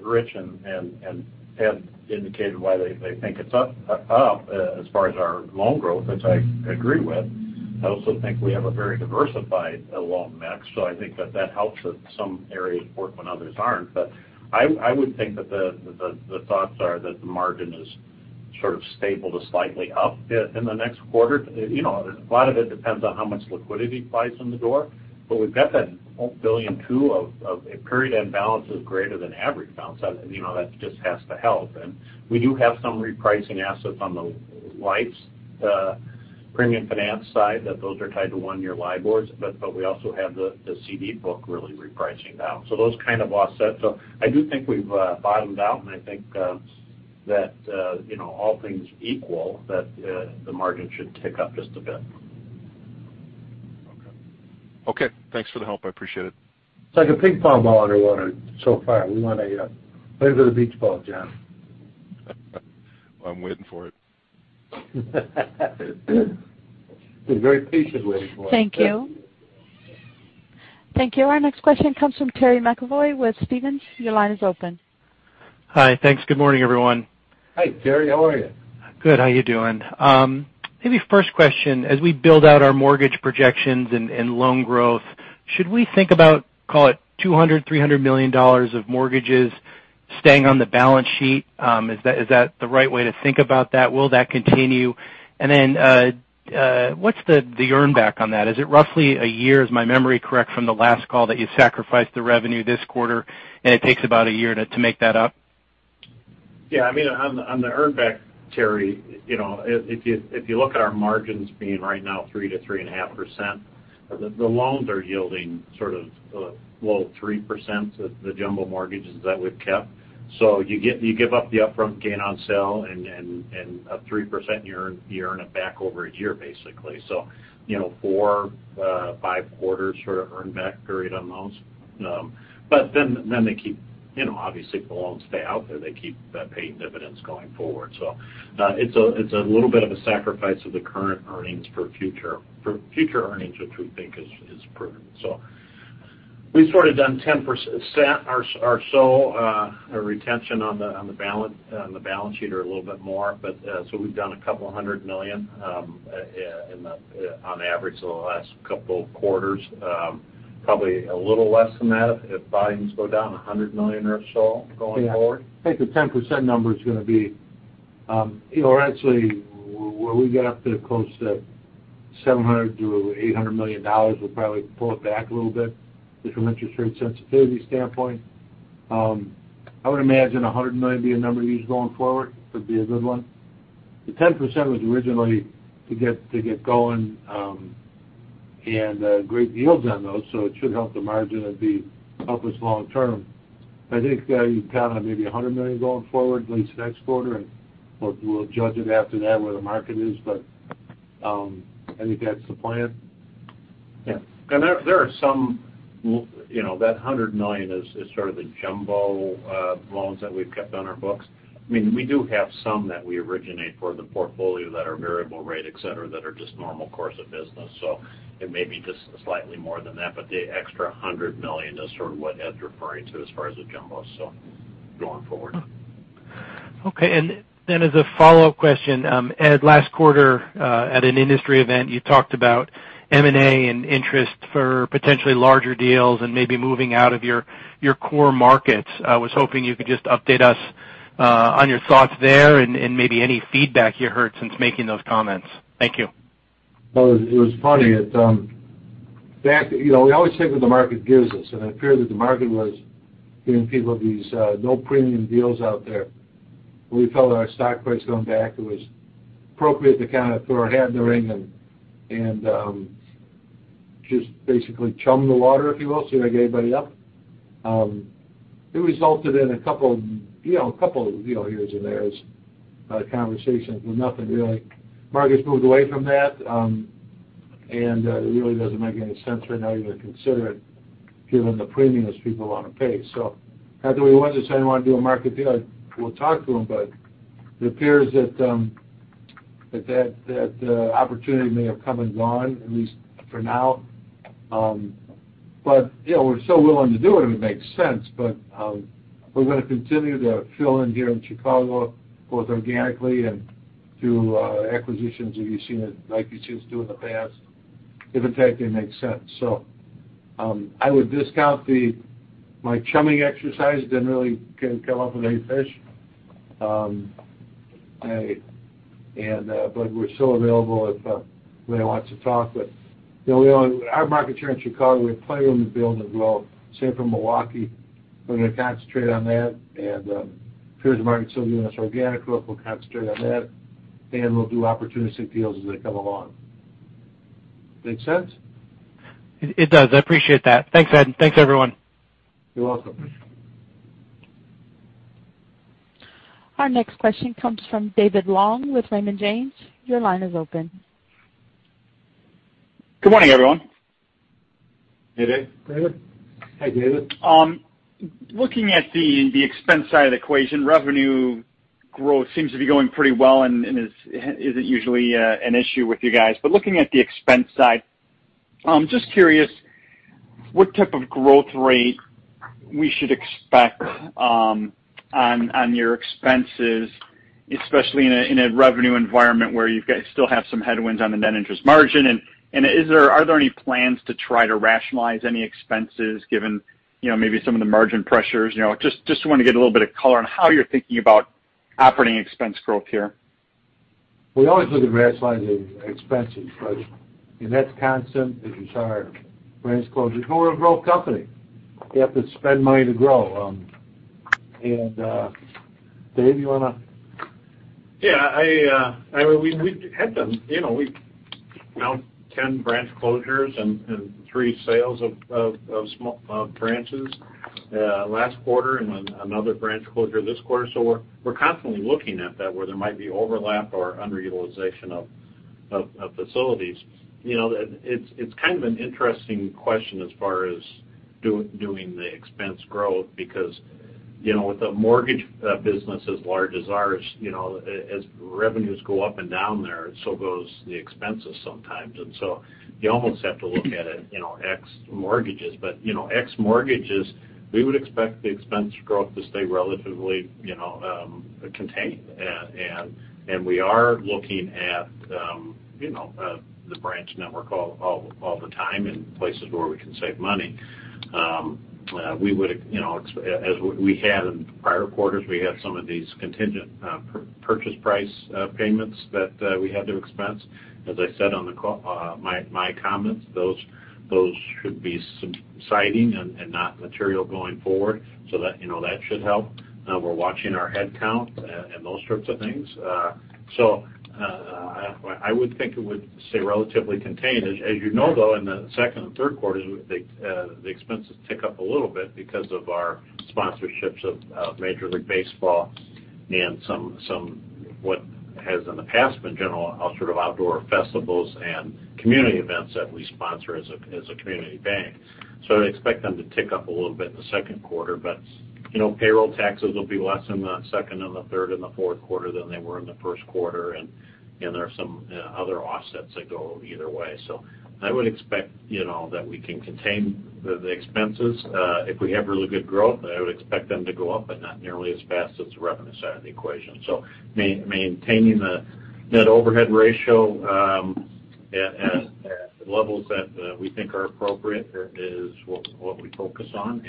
Rich and Ed indicated why they think it's up as far as our loan growth, which I agree with. I also think we have a very diversified loan mix, so I think that that helps if some areas work when others aren't. I would think that the thoughts are that the margin is sort of stable to slightly up in the next quarter. A lot of it depends on how much liquidity flies in the door. We've got that $1.2 billion of period-end balance is greater than average balance. That just has to help. We do have some repricing assets on the life, the premium finance side, that those are tied to one-year LIBORs. We also have the CD book really repricing now. Those kind of offset. I do think we've bottomed out, and I think that all things equal, that the margin should tick up just a bit. Okay. Thanks for the help. I appreciate it. It's like a ping pong ball underwater so far. We want to play with a beach ball, Jon. Well, I'm waiting for it. Been very patiently waiting for it. Thank you. Thank you. Our next question comes from Terry McEvoy with Stephens. Your line is open. Hi. Thanks. Good morning, everyone. Hi, Terry. How are you? Good. How you doing? Maybe first question, as we build out our mortgage projections and loan growth, should we think about, call it $200 million, $300 million of mortgages staying on the balance sheet? Is that the right way to think about that? Will that continue? What's the earn back on that? Is it roughly a year? Is my memory correct from the last call that you sacrificed the revenue this quarter, and it takes about a year to make that up? On the earn back, Terry, if you look at our margins being right now 3%-3.5%, the loans are yielding sort of low 3%, the jumbo mortgages that we've kept. You give up the upfront gain on sale, and up 3% you earn it back over a year, basically. Four, five quarters sort of earn back period on loans. Obviously, if the loans stay out there, they keep paying dividends going forward. It's a little bit of a sacrifice of the current earnings for future earnings, which we think is prudent. We've sort of done 10% or so retention on the balance sheet, or a little bit more. We've done a couple of hundred million on average over the last couple of quarters. Probably a little less than that if volumes go down, $100 million or so going forward. I think the 10% number actually, when we get up to close to $700 million-$800 million, we'll probably pull it back a little bit from an interest rate sensitivity standpoint. I would imagine $100 million would be a number we use going forward. It'd be a good one. The 10% was originally to get going and great yields on those, so it should help the margin. It'd help us long-term. I think you can count on maybe $100 million going forward at least next quarter, and we'll judge it after that where the market is. I think that's the plan. Yeah. That $100 million is sort of the jumbo loans that we've kept on our books. We do have some that we originate for the portfolio that are variable rate, et cetera, that are just normal course of business. It may be just slightly more than that, but the extra $100 million is sort of what Ed's referring to as far as the jumbos, going forward. Okay. As a follow-up question, Ed, last quarter, at an industry event, you talked about M&A and interest for potentially larger deals and maybe moving out of your core markets. I was hoping you could just update us on your thoughts there and maybe any feedback you heard since making those comments. Thank you. It was funny. We always take what the market gives us, and it appeared that the market was giving people these no premium deals out there. When we felt our stock price going back, it was appropriate to kind of throw our hat in the ring and just basically chum the water, if you will, so like everybody else. It resulted in a couple of heres and theres conversations, but nothing really. Market's moved away from that, and it really doesn't make any sense right now even to consider it, given the premiums people want to pay. Not that we wouldn't sign anyone to do a market deal. We'll talk to them, but it appears that that opportunity may have come and gone, at least for now. We're still willing to do it if it makes sense. We're going to continue to fill in here in Chicago, both organically and through acquisitions like you've seen us do in the past, if in fact they make sense. I would discount my chumming exercise didn't really come up with any fish. We're still available if anybody wants to talk. Our market here in Chicago, we have plenty of room to build and grow. Same for Milwaukee. We're going to concentrate on that. If here's the market still giving us organic growth, we'll concentrate on that, and we'll do opportunistic deals as they come along. Make sense? It does. I appreciate that. Thanks, Ed, and thanks, everyone. You're welcome. Our next question comes from David Long with Raymond James. Your line is open. Good morning, everyone. Hey, David. Hi, David. Looking at the expense side of the equation, revenue growth seems to be going pretty well and isn't usually an issue with you guys. Looking at the expense side, just curious what type of growth rate we should expect on your expenses, especially in a revenue environment where you still have some headwinds on the net interest margin. Are there any plans to try to rationalize any expenses given maybe some of the margin pressures? Just want to get a little bit of color on how you're thinking about operating expense growth here. We always look at rationalizing expenses, but in that constant is it's hard. Branch closures. We're a growth company. You have to spend money to grow. Dave, you want to? Yeah. We've had them. We've announced 10 branch closures and three sales of small branches last quarter and then another branch closure this quarter. We're constantly looking at that, where there might be overlap or underutilization of facilities. It's kind of an interesting question as far as doing the expense growth, because with a mortgage business as large as ours, as revenues go up and down there, so goes the expenses sometimes. You almost have to look at it, ex mortgages. Ex mortgages, we would expect the expense growth to stay relatively contained. We are looking at the branch network all the time and places where we can save money. As we had in prior quarters, we had some of these contingent purchase price payments that we had to expense. As I said on my comments, those should be subsiding and not material going forward. That should help. We're watching our headcount and those sorts of things. I would think it would stay relatively contained. As you know, though, in the second and third quarters, the expenses tick up a little bit because of our sponsorships of Major League Baseball and some what has in the past been general outdoor festivals and community events that we sponsor as a community bank. I expect them to tick up a little bit in the second quarter. Payroll taxes will be less in the second and the third and the fourth quarter than they were in the first quarter, and there are some other offsets that go either way. I would expect that we can contain the expenses. If we have really good growth, I would expect them to go up, but not nearly as fast as the revenue side of the equation. Maintaining the net overhead ratio at levels that we think are appropriate is what we focus on.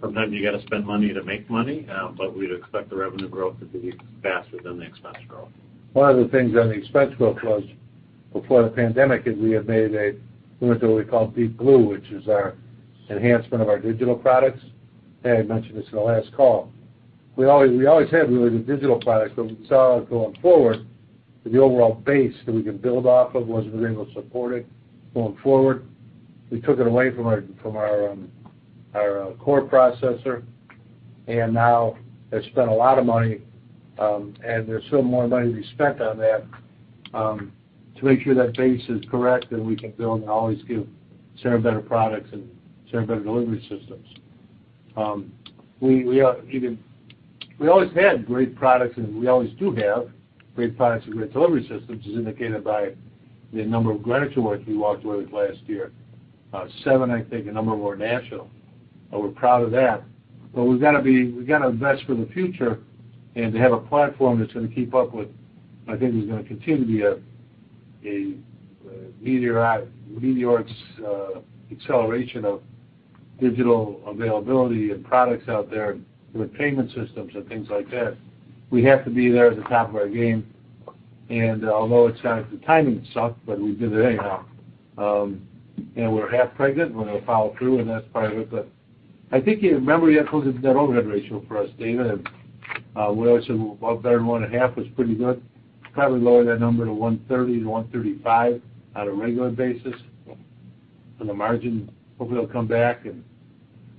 Sometimes you got to spend money to make money, but we'd expect the revenue growth to be faster than the expense growth. One of the things on the expense growth was before the pandemic is we went to what we call Deep Blue, which is our enhancement of our digital products. Ed mentioned this in the last call. We always had really good digital products, but we saw going forward, the overall base that we could build off of wasn't really going to support it going forward. We took it away from our core processor. Now they've spent a lot of money, and there's still more money to be spent on that to make sure that base is correct and we can build and always give better products and better delivery systems. We always had great products, and we always do have great products and great delivery systems, as indicated by the number of Greenwich awards we walked away with last year. Seven, I think, a number of them were national. We're proud of that. We've got to invest for the future and to have a platform that's going to keep up with, I think there's going to continue to be a meteoric acceleration of digital availability of products out there with payment systems and things like that. We have to be there at the top of our game. Although the timing sucked, we did it anyhow. We're half pregnant. We're going to follow through, and that's part of it. I think if you remember, you had quoted that overhead ratio for us, David. We always said about 31.5% was pretty good. Probably lower that number to 130-135 on a regular basis for the margin. Hopefully it'll come back. In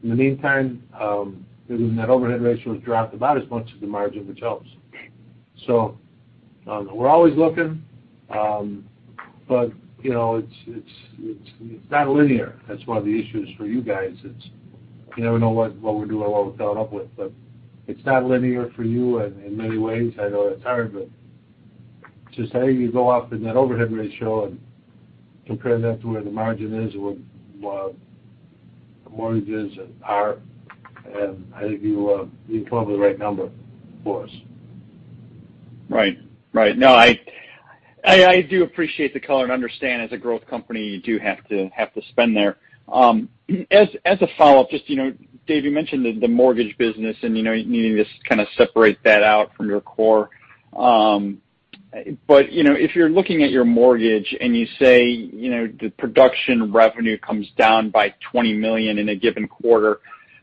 the meantime, that overhead ratio has dropped about as much as the margin, which helps. We're always looking. It's not linear. That's one of the issues for you guys. You never know what we're doing or what we're coming up with. It's not linear for you in many ways. I know that's hard, but just how you go off of net overhead ratio and compare that to where the margin is with mortgages and car, and I think you can come up with the right number for us. Right. No, I do appreciate the color and understand as a growth company, you do have to spend there. As a follow-up, Dave, you mentioned the mortgage business and you needing to kind of separate that out from your core. If you're looking at your mortgage and you say the production revenue comes down by $20 million in a given quarter,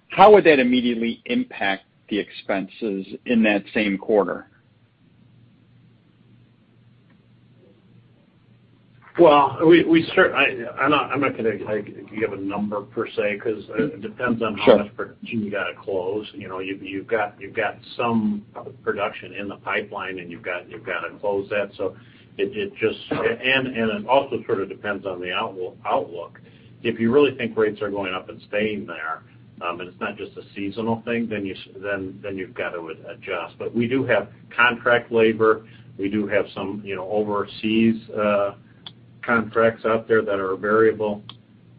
how would that immediately impact the expenses in that same quarter? I'm not going to give a number per se, because it depends on how much- Sure production you've got to close. You've got some production in the pipeline, and you've got to close that. It also sort of depends on the outlook. If you really think rates are going up and staying there, and it's not just a seasonal thing, then you've got to adjust. We do have contract labor. We do have some overseas contracts out there that are variable.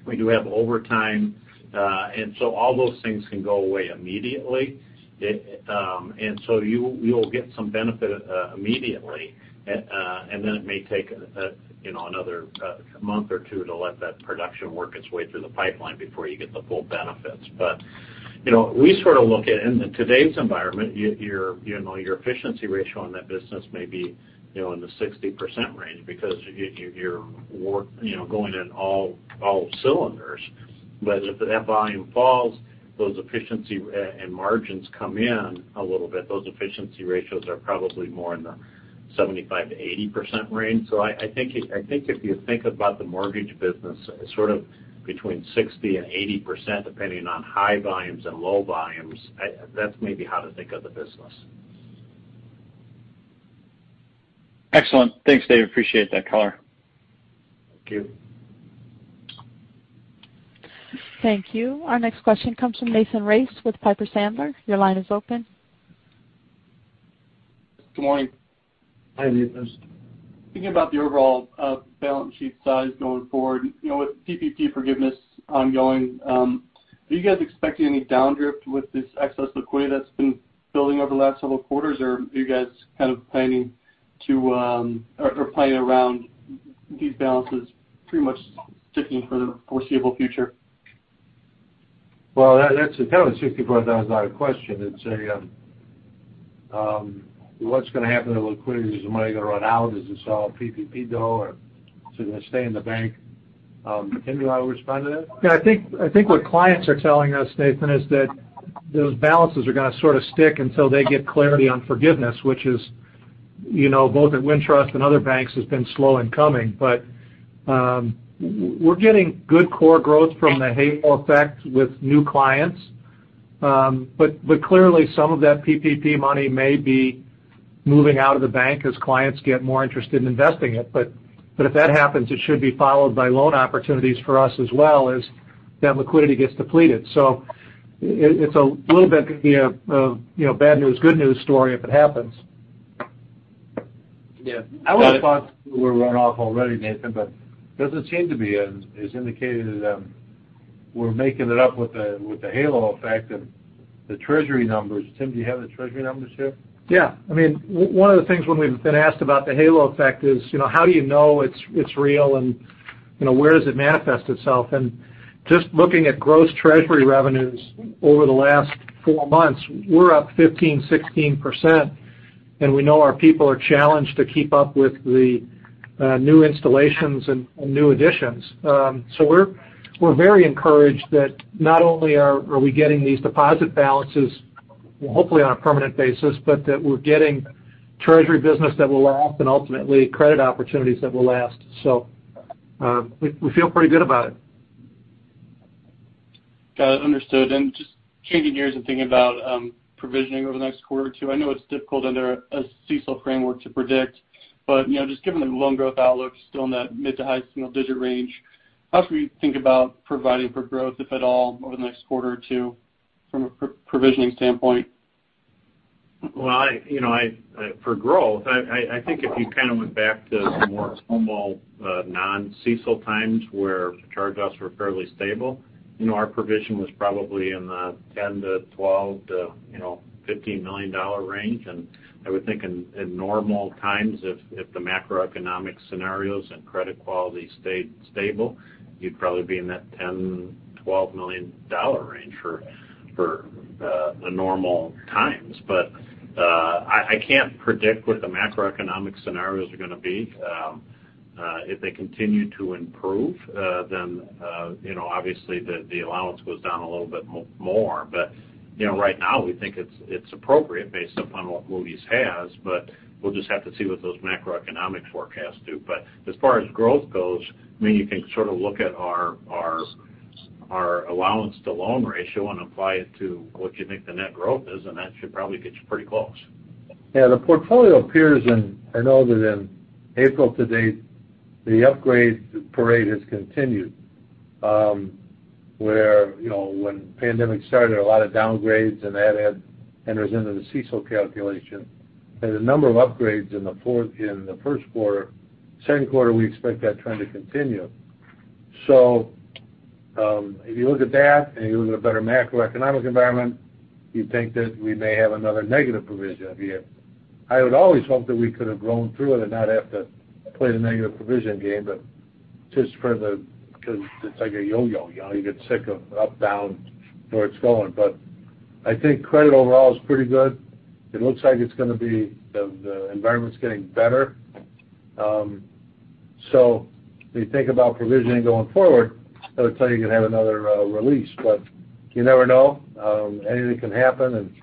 We do have overtime. All those things can go away immediately. You'll get some benefit immediately, and then it may take another month or two to let that production work its way through the pipeline before you get the full benefits. We sort of look at it, in today's environment, your efficiency ratio on that business may be in the 60% range because you're going in all cylinders. If that volume falls, those efficiency and margins come in a little bit, those efficiency ratios are probably more in the 75%-80% range. I think if you think about the mortgage business, sort of between 60% and 80%, depending on high volumes and low volumes, that's maybe how to think of the business. Excellent. Thanks, Dave. Appreciate that color. Thank you. Thank you. Our next question comes from Nathan Race with Piper Sandler. Your line is open. Good morning. Hi, Nathan. Thinking about the overall balance sheet size going forward. With PPP forgiveness ongoing, are you guys expecting any downdrift with this excess liquidity that's been building over the last several quarters, or are you guys kind of planning around these balances pretty much sticking for the foreseeable future? Well, that's kind of a $64,000 question. What's going to happen to liquidity? Is the money going to run out? Is this all PPP dough, or is it going to stay in the bank? Tim, do you want to respond to that? I think what clients are telling us, Nathan, is that those balances are going to sort of stick until they get clarity on forgiveness, which is both at Wintrust and other banks has been slow in coming. We're getting good core growth from the halo effect with new clients. Clearly, some of that PPP money may be moving out of the bank as clients get more interested in investing it. If that happens, it should be followed by loan opportunities for us as well as that liquidity gets depleted. It's a little bit of a bad news, good news story if it happens. I would've thought we were run off already, Nathan, but doesn't seem to be as indicated. We're making it up with the halo effect and the treasury numbers. Tim, do you have the treasury numbers here? Yeah. One of the things when we've been asked about the halo effect is, how do you know it's real and where does it manifest itself? Just looking at gross treasury revenues over the last four months, we're up 15%, 16%, and we know our people are challenged to keep up with the new installations and new additions. We're very encouraged that not only are we getting these deposit balances, well, hopefully on a permanent basis, but that we're getting treasury business that will last and ultimately credit opportunities that will last. We feel pretty good about it. Got it. Understood. Just changing gears and thinking about provisioning over the next quarter or two, I know it's difficult under a CECL framework to predict, but just given the loan growth outlook, still in that mid to high single-digit range, how should we think about providing for growth, if at all, over the next quarter or two from a provisioning standpoint? Well, for growth, I think if you kind of went back to more humble, non-CECL times where charge-offs were fairly stable, our provision was probably in the $10 million-$12 million-$15 million range. I would think in normal times, if the macroeconomic scenarios and credit quality stayed stable, you'd probably be in that $10 million, $12 million range for the normal times. I can't predict what the macroeconomic scenarios are going to be. If they continue to improve, then obviously, the allowance goes down a little bit more. Right now, we think it's appropriate based upon what Moody's has, but we'll just have to see what those macroeconomic forecasts do. As far as growth goes, you can sort of look at our allowance to loan ratio and apply it to what you think the net growth is, and that should probably get you pretty close. The portfolio appears I know that in April to date, the upgrade parade has continued, where when the pandemic started, a lot of downgrades, and that enters into the CECL calculation. There's a number of upgrades in the first quarter. Second quarter, we expect that trend to continue. If you look at that and you look at a better macroeconomic environment, you'd think that we may have another negative provision of year. I would always hope that we could have grown through it and not have to play the negative provision game, but just because it's like a yo-yo. You get sick of up, down, where it's going. I think credit overall is pretty good. It looks like the environment's getting better. When you think about provisioning going forward, that would tell you could have another release. You never know. Anything can happen, and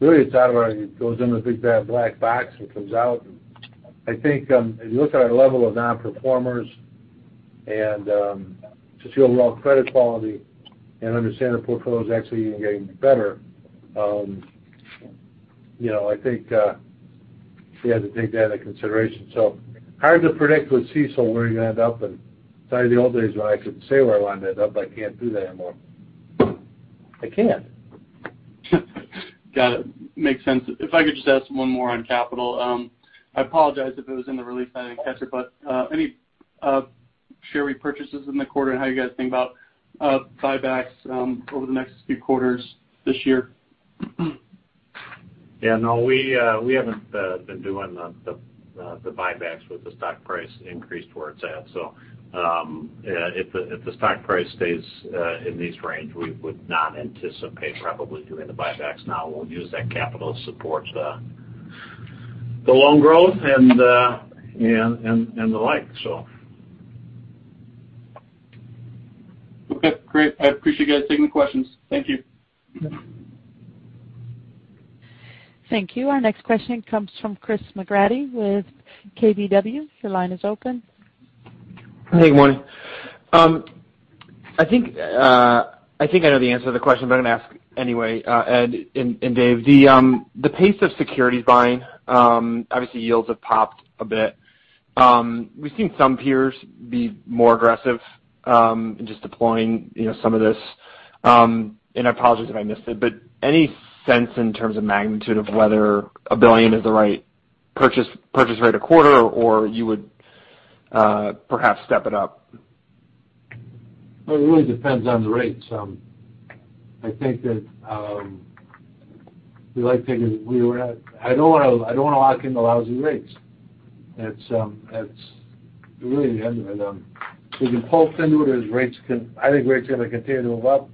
really, it goes in the big, bad black box and comes out. I think, if you look at our level of non-performers and just overall credit quality and understand the portfolio is actually even getting better, I think you have to take that into consideration. Hard to predict with CECL where you're going to end up. It's not like the old days when I could say where I want to end up. I can't do that anymore. I can't. Got it. Makes sense. If I could just ask one more on capital. I apologize if it was in the release and I didn't catch it, but any share repurchases in the quarter? How do you guys think about buybacks over the next few quarters this year? Yeah, no. We haven't been doing the buybacks with the stock price increased to where it's at. If the stock price stays in this range, we would not anticipate probably doing the buybacks now. We'll use that capital to support the loan growth and the like. Okay, great. I appreciate you guys taking the questions. Thank you. Thank you. Our next question comes from Chris McGratty with KBW. Your line is open. Hey, good morning. I think I know the answer to the question, but I'm going to ask anyway. Ed and Dave, the pace of securities buying, obviously yields have popped a bit. We've seen some peers be more aggressive in just deploying some of this. I apologize if I missed it, but any sense in terms of magnitude of whether $1 billion is the right purchase rate a quarter, or you would perhaps step it up? Well, it really depends on the rates. I think that, I don't want to lock in the lousy rates. That's really the end of it. We can pulse into it as, I think rates are going to continue to move up,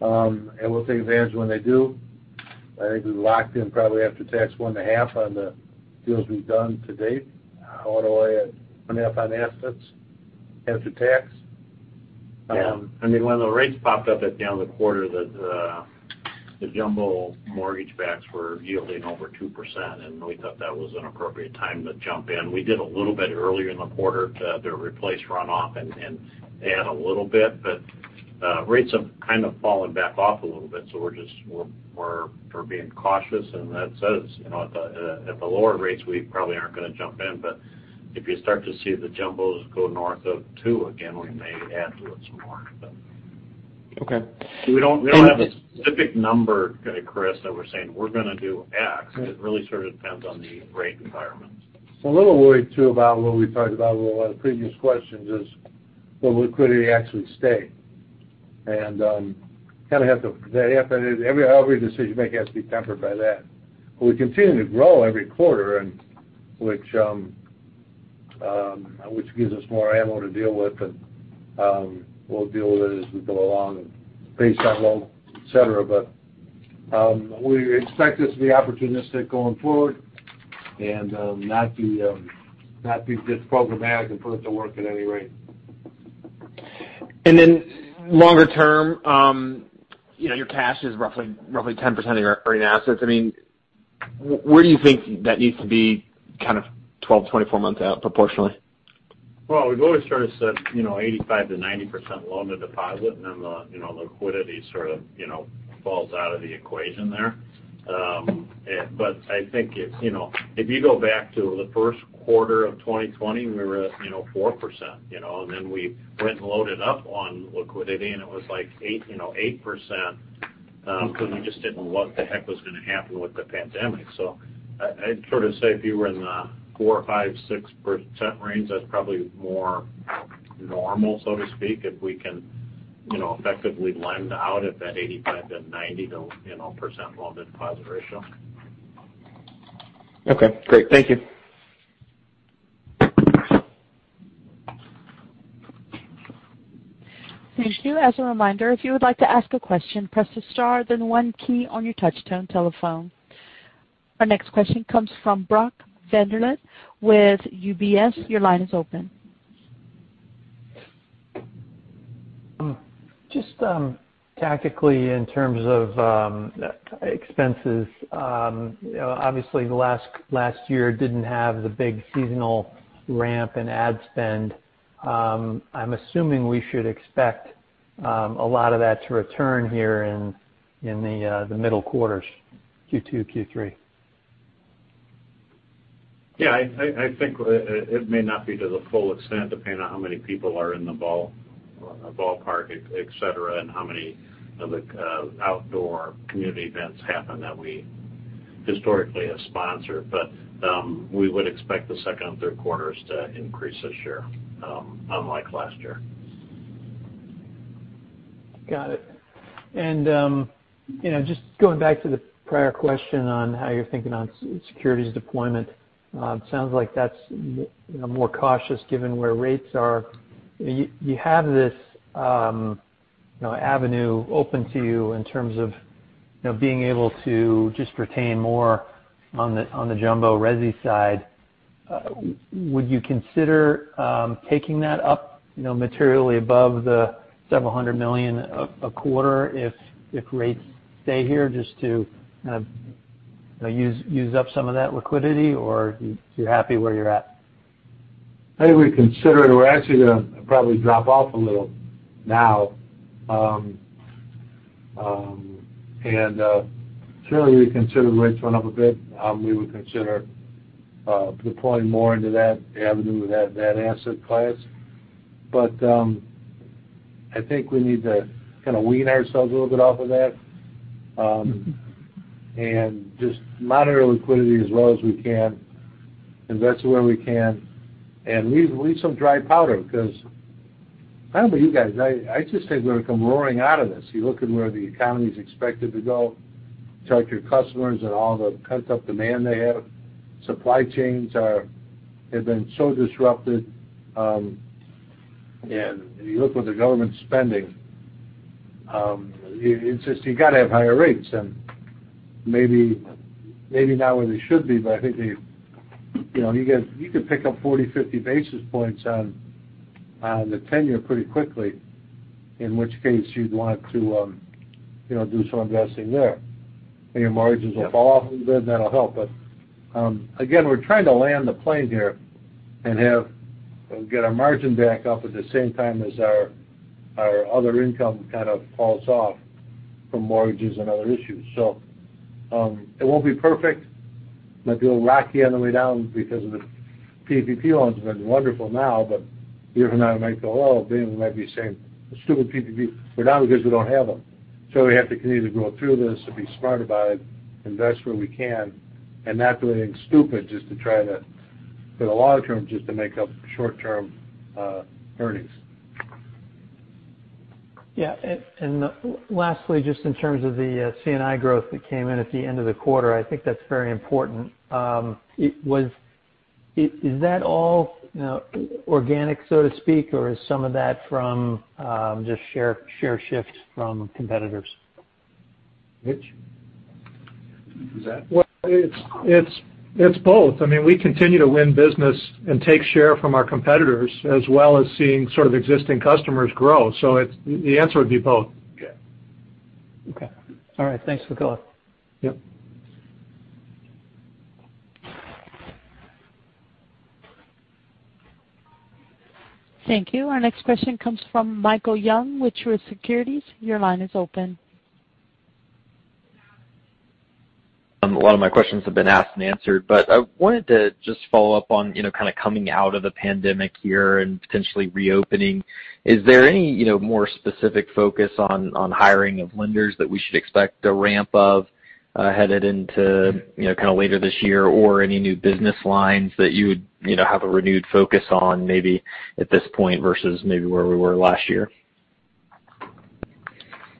and we'll take advantage when they do. I think we've locked in probably after tax 1.5 on the deals we've done to date, all the way at 2.05 on assets after tax. Yeah. When the rates popped up at the end of the quarter, the jumbo mortgage backs were yielding over 2%, and we thought that was an appropriate time to jump in. We did a little bit earlier in the quarter to replace runoff and add a little bit. Rates have kind of fallen back off a little bit, so we're being cautious, and that says at the lower rates, we probably aren't going to jump in. If you start to see the jumbos go north of 2% again, we may add to it some more. Okay. We don't have a specific number, Chris, that we're saying, we're going to do X. It really sort of depends on the rate environment. It's a little worried too about what we talked about with one of the previous questions is, will liquidity actually stay? Every decision you make has to be tempered by that. We continue to grow every quarter, which gives us more ammo to deal with, and we'll deal with it as we go along based on loans, et cetera. We expect this to be opportunistic going forward and not be just programmatic and put it to work at any rate. Longer term, your cash is roughly 10% of your earning assets. Where do you think that needs to be 12, 24 months out proportionally? We've always sort of said 85%-90% loan-to-deposit, and then the liquidity sort of falls out of the equation there. I think if you go back to the first quarter of 2020, we were at 4%, and then we went and loaded up on liquidity, and it was like 8%, because we just didn't know what the heck was going to happen with the pandemic. I'd say if you were in the 4%, or 5%, 6% range, that's probably more normal, so to speak, if we can effectively lend out at that 85%-90% loan-to-deposit ratio. Okay, great. Thank you. Thank you. As a reminder, if you would like to ask a question, press the star, then one key on your touch-tone telephone. Our next question comes from Brock Vandervliet with UBS. Your line is open. Just tactically, in terms of expenses, obviously the last year didn't have the big seasonal ramp in ad spend. I'm assuming we should expect a lot of that to return here in the middle quarters, Q2, Q3. I think it may not be to the full extent, depending on how many people are in the ballpark, et cetera, and how many of the outdoor community events happen that we historically have sponsored. We would expect the second and third quarters to increase this year, unlike last year. Got it. Just going back to the prior question on how you're thinking on securities deployment, it sounds like that's more cautious given where rates are. You have this avenue open to you in terms of being able to just retain more on the jumbo resi side. Would you consider taking that up materially above the several hundred million a quarter if rates stay here just to use up some of that liquidity? Or you're happy where you're at? I think we consider it. We're actually going to probably drop off a little now. Certainly, we consider rates going up a bit. We would consider deploying more into that avenue, that asset class. I think we need to kind of wean ourselves a little bit off of that, and just moderate our liquidity as well as we can, invest where we can, and leave some dry powder because I don't know about you guys, I just think we're going to come roaring out of this. You look at where the economy's expected to go, talk to your customers and all the pent-up demand they have. Supply chains have been so disrupted. You look what the government's spending. It's just, you got to have higher rates, and maybe not where they should be, but I think you could pick up 40, 50 basis points on the tenure pretty quickly, in which case you'd want to do some investing there. Your margins will fall off a little bit and that'll help. Again, we're trying to land the plane here and get our margin back up at the same time as our other income kind of falls off from mortgages and other issues. It won't be perfect. Might be a little rocky on the way down because of the PPP loans have been wonderful now, but a year from now, we might go, "Oh, damn," we might be saying, "The stupid PPP." We're not because we don't have them. We have to continue to go through this and be smart about it, invest where we can, and not do anything stupid just to try to, for the long-term, just to make up short-term earnings. Yeah. Lastly, just in terms of the C&I growth that came in at the end of the quarter, I think that's very important. Is that all organic, so to speak, or is some of that from just share shifts from competitors? Rich? Well, it's both. I mean, we continue to win business and take share from our competitors, as well as seeing sort of existing customers grow. The answer would be both. Okay. All right. Thanks for the color. Yep. Thank you. Our next question comes from Michael Young with Truist Securities. Your line is open. A lot of my questions have been asked and answered, but I wanted to just follow up on kind of coming out of the pandemic here and potentially reopening. Is there any more specific focus on hiring of lenders that we should expect a ramp of headed into kind of later this year? Or any new business lines that you would have a renewed focus on maybe at this point versus maybe where we were last year?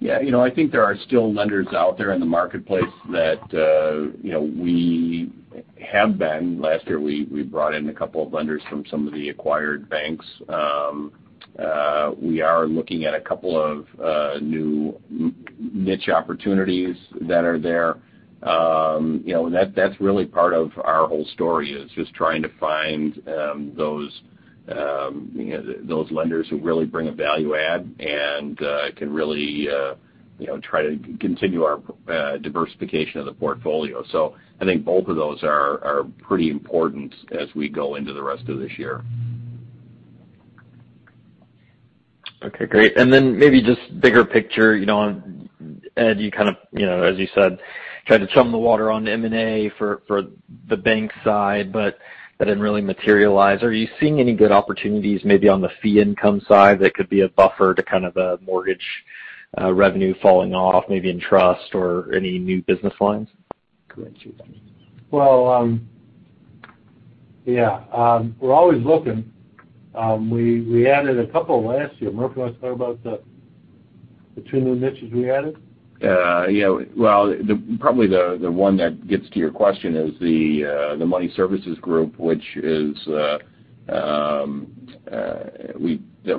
Yeah. I think there are still lenders out there in the marketplace that we have been. Last year, we brought in a couple of lenders from some of the acquired banks. We are looking at a couple of new niche opportunities that are there. That's really part of our whole story, is just trying to find those lenders who really bring a value add and can really try to continue our diversification of the portfolio. I think both of those are pretty important as we go into the rest of this year. Okay, great. Then maybe just bigger picture. Ed, as you said, tried to chum the water on M&A for the bank side, but that didn't really materialize. Are you seeing any good opportunities maybe on the fee income side that could be a buffer to kind of a mortgage revenue falling off, maybe in trust or any new business lines? Well, yeah. We're always looking. We added a couple last year. Murphy, you want to talk about the two new niches we added? Yeah. Well, probably the one that gets to your question is the Money Services Group, which that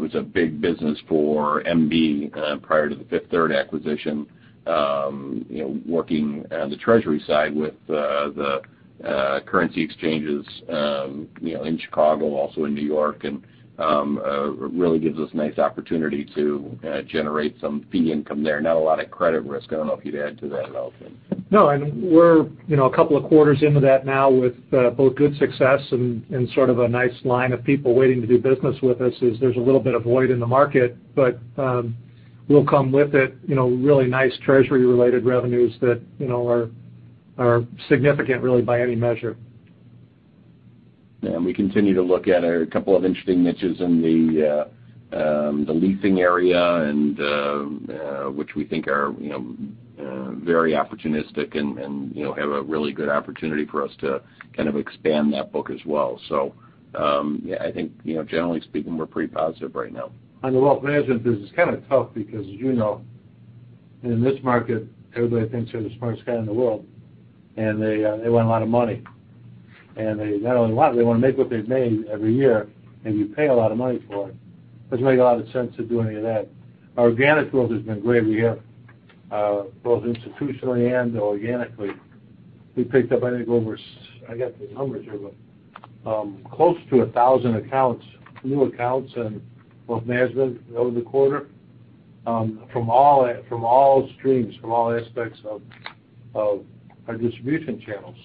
was a big business for MB prior to the Fifth Third acquisition. Working the treasury side with the currency exchanges in Chicago, also in New York, and really gives us a nice opportunity to generate some fee income there. Not a lot of credit risk. I don't know if you'd add to that at all, Tim. No, and we're a couple of quarters into that now with both good success and sort of a nice line of people waiting to do business with us, as there's a little bit of void in the market. We'll come with it, really nice treasury-related revenues that are significant, really by any measure. We continue to look at a couple of interesting niches in the leasing area, and which we think are very opportunistic and have a really good opportunity for us to kind of expand that book as well. I think generally speaking, we're pretty positive right now. On the wealth management business, it's kind of tough because as you know, in this market, everybody thinks they're the smartest guy in the world, and they want a lot of money. They not only want, they want to make what they've made every year, and you pay a lot of money for it. Doesn't make a lot of sense to do any of that. Our organic growth has been great. We have both institutionally and organically. We picked up, I think, over, I got the numbers here, but close to 1,000 accounts, new accounts in wealth management over the quarter from all streams, from all aspects of our distribution channels.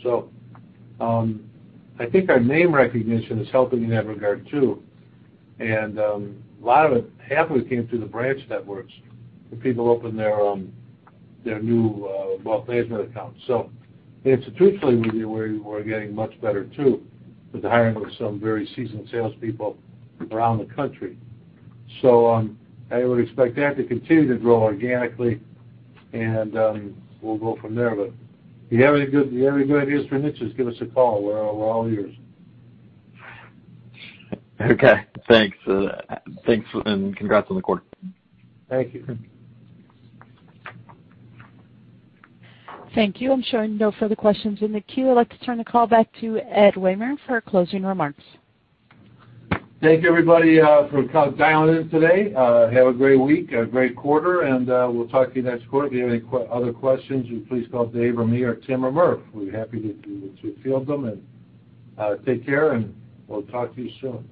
I think our name recognition is helping in that regard, too. Half of it came through the branch networks, when people opened their new wealth management accounts. Institutionally, we're getting much better, too, with the hiring of some very seasoned salespeople around the country. I would expect that to continue to grow organically, and we'll go from there. If you have any good ideas for niches, give us a call. We're all ears. Okay, thanks. Thanks, and congrats on the quarter. Thank you. Thank you. I'm showing no further questions in the queue. I'd like to turn the call back to Ed Wehmer for closing remarks. Thank you, everybody, for dialing in today. Have a great week, a great quarter, and we'll talk to you next quarter. If you have any other questions, please call Dave or me or Tim or Murph. We'll be happy to field them. Take care, and we'll talk to you soon.